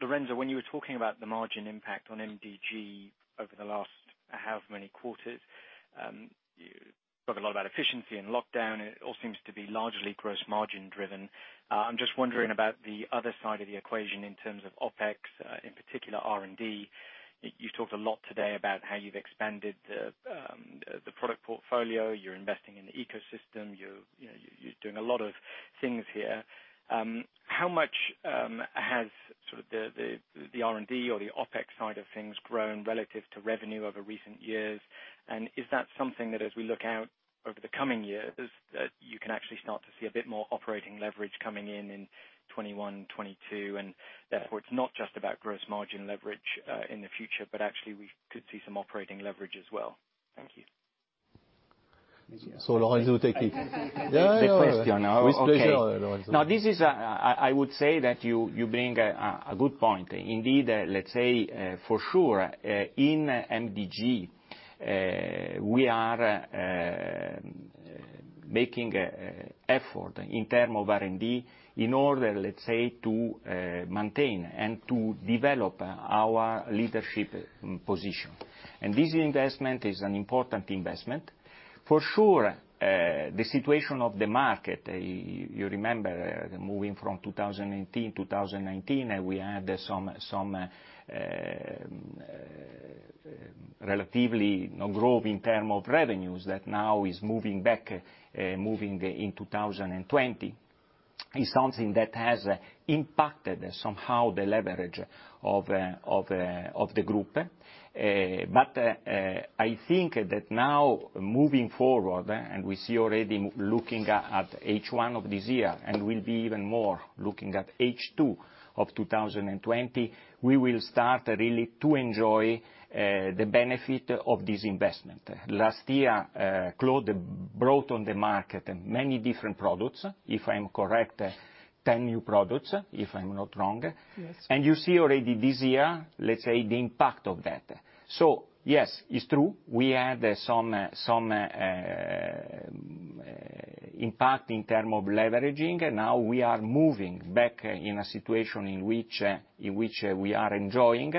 Lorenzo, when you were talking about the margin impact on MDG over the last however many quarters, you spoke a lot about efficiency and lockdown. It all seems to be largely gross margin driven. I'm just wondering about the other side of the equation in terms of OpEx, in particular R&D. You talked a lot today about how you've expanded the product portfolio. You're investing in the ecosystem. You're doing a lot of things here. How much has sort of the R&D or the OpEx side of things grown relative to revenue over recent years? Is that something that, as we look out over the coming years, that you can actually start to see a bit more operating leverage coming in in 2021, 2022, and therefore, it's not just about gross margin leverage, in the future, but actually we could see some operating leverage as well? Thank you. Lorenzo, take it. The question. Oh, okay. The question, Lorenzo. I would say that you bring a good point. For sure, in MDG, we are making effort in term of R&D in order to maintain and to develop our leadership position. This investment is an important investment. For sure, the situation of the market, you remember, moving from 2018, 2019, we had some relatively no growth in term of revenues that now is moving back, moving in 2020, is something that has impacted somehow the leverage of the group. I think that now moving forward, and we see already looking at H1 of this year, and will be even more looking at H2 of 2020, we will start really to enjoy the benefit of this investment. Last year, Claude brought on the market many different products, if I'm correct, 10 new products, if I'm not wrong. Yes. You see already this year, let's say, the impact of that. Yes, it's true, we had some impact in terms of leveraging. Now we are moving back in a situation in which we are enjoying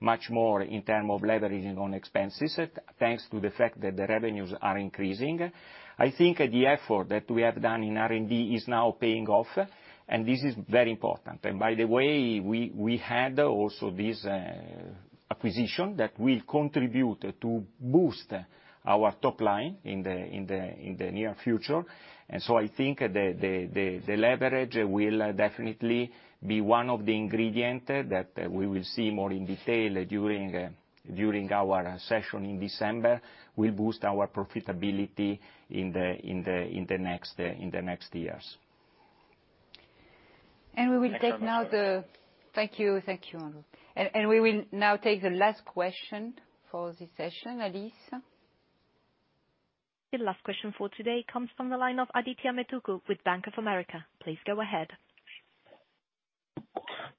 much more in terms of leveraging on expenses, thanks to the fact that the revenues are increasing. I think the effort that we have done in R&D is now paying off, and this is very important. By the way, we had also this acquisition that will contribute to boost our top line in the near future. I think the leverage will definitely be one of the ingredients that we will see more in detail during our session in December. We'll boost our profitability in the next years. Thank you, Andrew. We will now take the last question for this session. Elise? The last question for today comes from the line of Adithya Metuku with Bank of America. Please go ahead.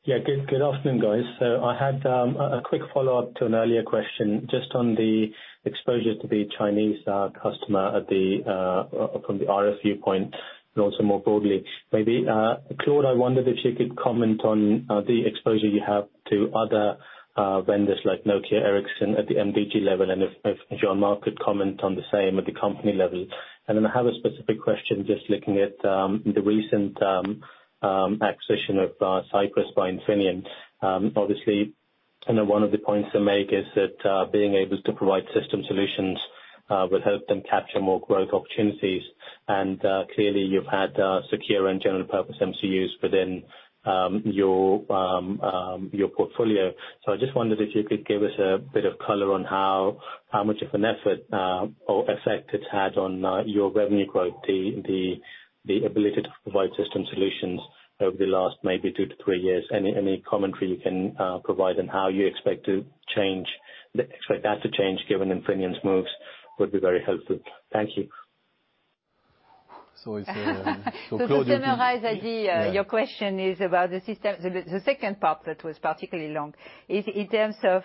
Yeah. Good afternoon, guys. I had a quick follow-up to an earlier question, just on the exposure to the Chinese customer from the RF viewpoint, and also more broadly. Maybe, Claude, I wondered if you could comment on the exposure you have to other vendors like Nokia, Ericsson at the MDG level, and if Jean-Marc could comment on the same at the company level. I have a specific question, just looking at the recent acquisition of Cypress by Infineon. Obviously, I know one of the points to make is that being able to provide system solutions will help them capture more growth opportunities. Clearly, you've had secure and general purpose MCUs within your portfolio. I just wondered if you could give us a bit of color on how much of an effort or effect it's had on your revenue growth, the ability to provide system solutions over the last maybe two to three years. Any commentary you can provide on how you expect that to change, given Infineon's moves, would be very helpful. Thank you. To summarize, Adithya, your question is about the system. The second part that was particularly long is in terms of,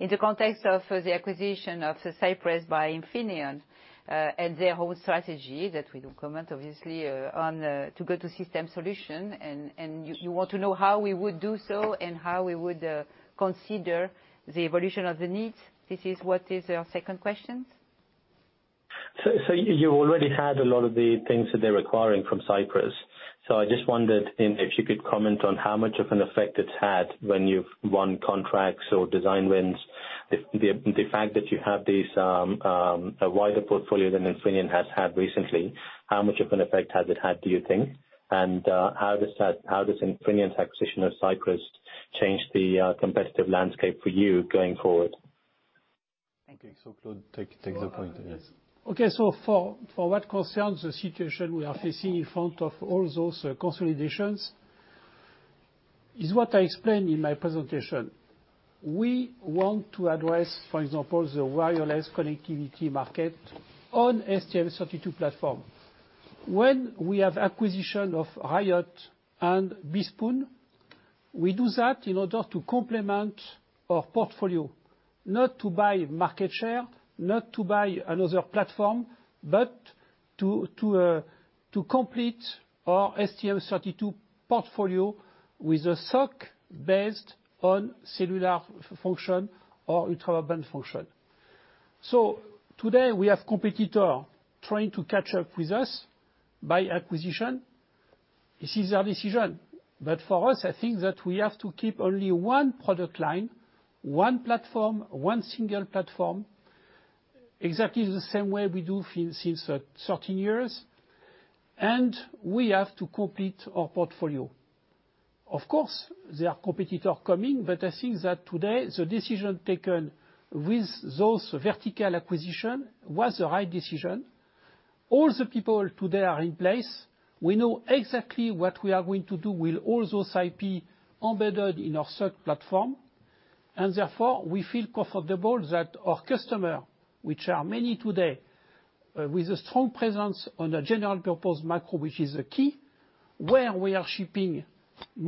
in the context of the acquisition of Cypress by Infineon, and their whole strategy, that we don't comment, obviously, to go to system solution. You want to know how we would do so, and how we would consider the evolution of the needs. This is what is your second question? You already had a lot of the things that they're acquiring from Cypress. I just wondered if you could comment on how much of an effect it's had when you've won contracts or design wins. The fact that you have a wider portfolio than Infineon has had recently, how much of an effect has it had, do you think? How does Infineon's acquisition of Cypress change the competitive landscape for you going forward? Okay, Claude, take the point. Okay. For what concerns the situation we are facing in front of all those consolidations, is what I explained in my presentation. We want to address, for example, the wireless connectivity market on STM32 platform. When we have acquisition of Riot and BeSpoon, we do that in order to complement our portfolio, not to buy market share, not to buy another platform, but to complete our STM32 portfolio with a SoC based on cellular function or ultra band function. Today, we have competitor trying to catch up with us by acquisition. This is their decision. For us, I think that we have to keep only one product line, one platform, one single platform, exactly the same way we do since 13 years, and we have to complete our portfolio. Of course, there are competitor coming, I think that today the decision taken with those vertical acquisition was the right decision. All the people today are in place. We know exactly what we are going to do with all those IP embedded in our SoC platform. Therefore, we feel comfortable that our customer, which are many today, with a strong presence on a general purpose micro, which is a key, where we are shipping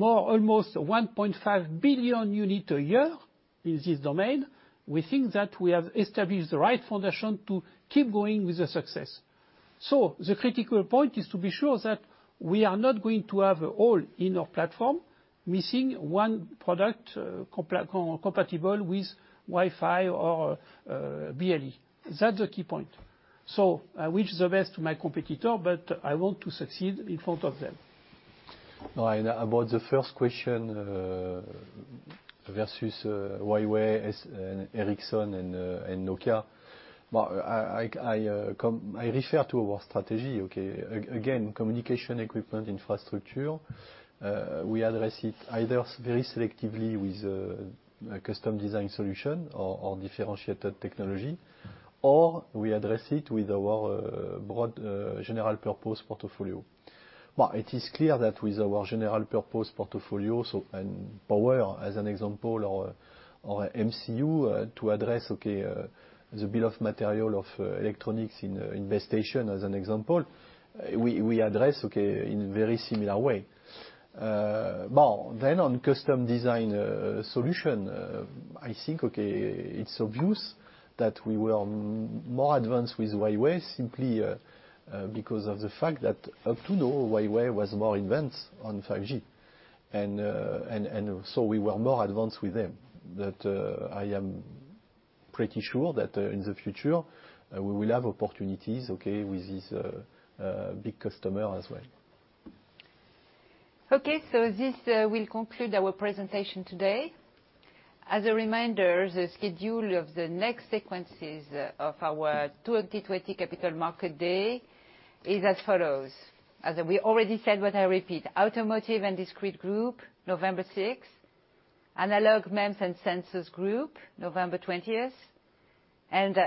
almost 1.5 billion unit a year in this domain. We think that we have established the right foundation to keep going with the success. The critical point is to be sure that we are not going to have a hole in our platform, missing one product compatible with Wi-Fi or BLE. That's the key point. I wish the best to my competitor, but I want to succeed in front of them. About the first question versus Huawei, Ericsson, and Nokia. I refer to our strategy, okay? Communication equipment infrastructure, we address it either very selectively with a custom design solution or differentiated technology, or we address it with our broad general purpose portfolio. It is clear that with our general purpose portfolio, and power as an example, or MCU to address, okay, the bill of material of electronics in base station as an example, we address, okay, in a very similar way. On custom design solution, I think, okay, it's obvious that we were more advanced with Huawei simply because of the fact that up to now, Huawei was more advanced on 5G. We were more advanced with them. I am pretty sure that in the future, we will have opportunities, okay, with this big customer as well. This will conclude our presentation today. As a reminder, the schedule of the next sequences of our 2020 Capital Market Day is as follows. As we already said, I repeat, Automotive and Discrete Group, November 6th. Analog, MEMS and Sensors Group, November 20th.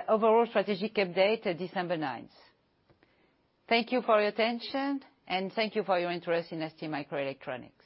Overall Strategic Update, December 9th. Thank you for your attention, and thank you for your interest in STMicroelectronics.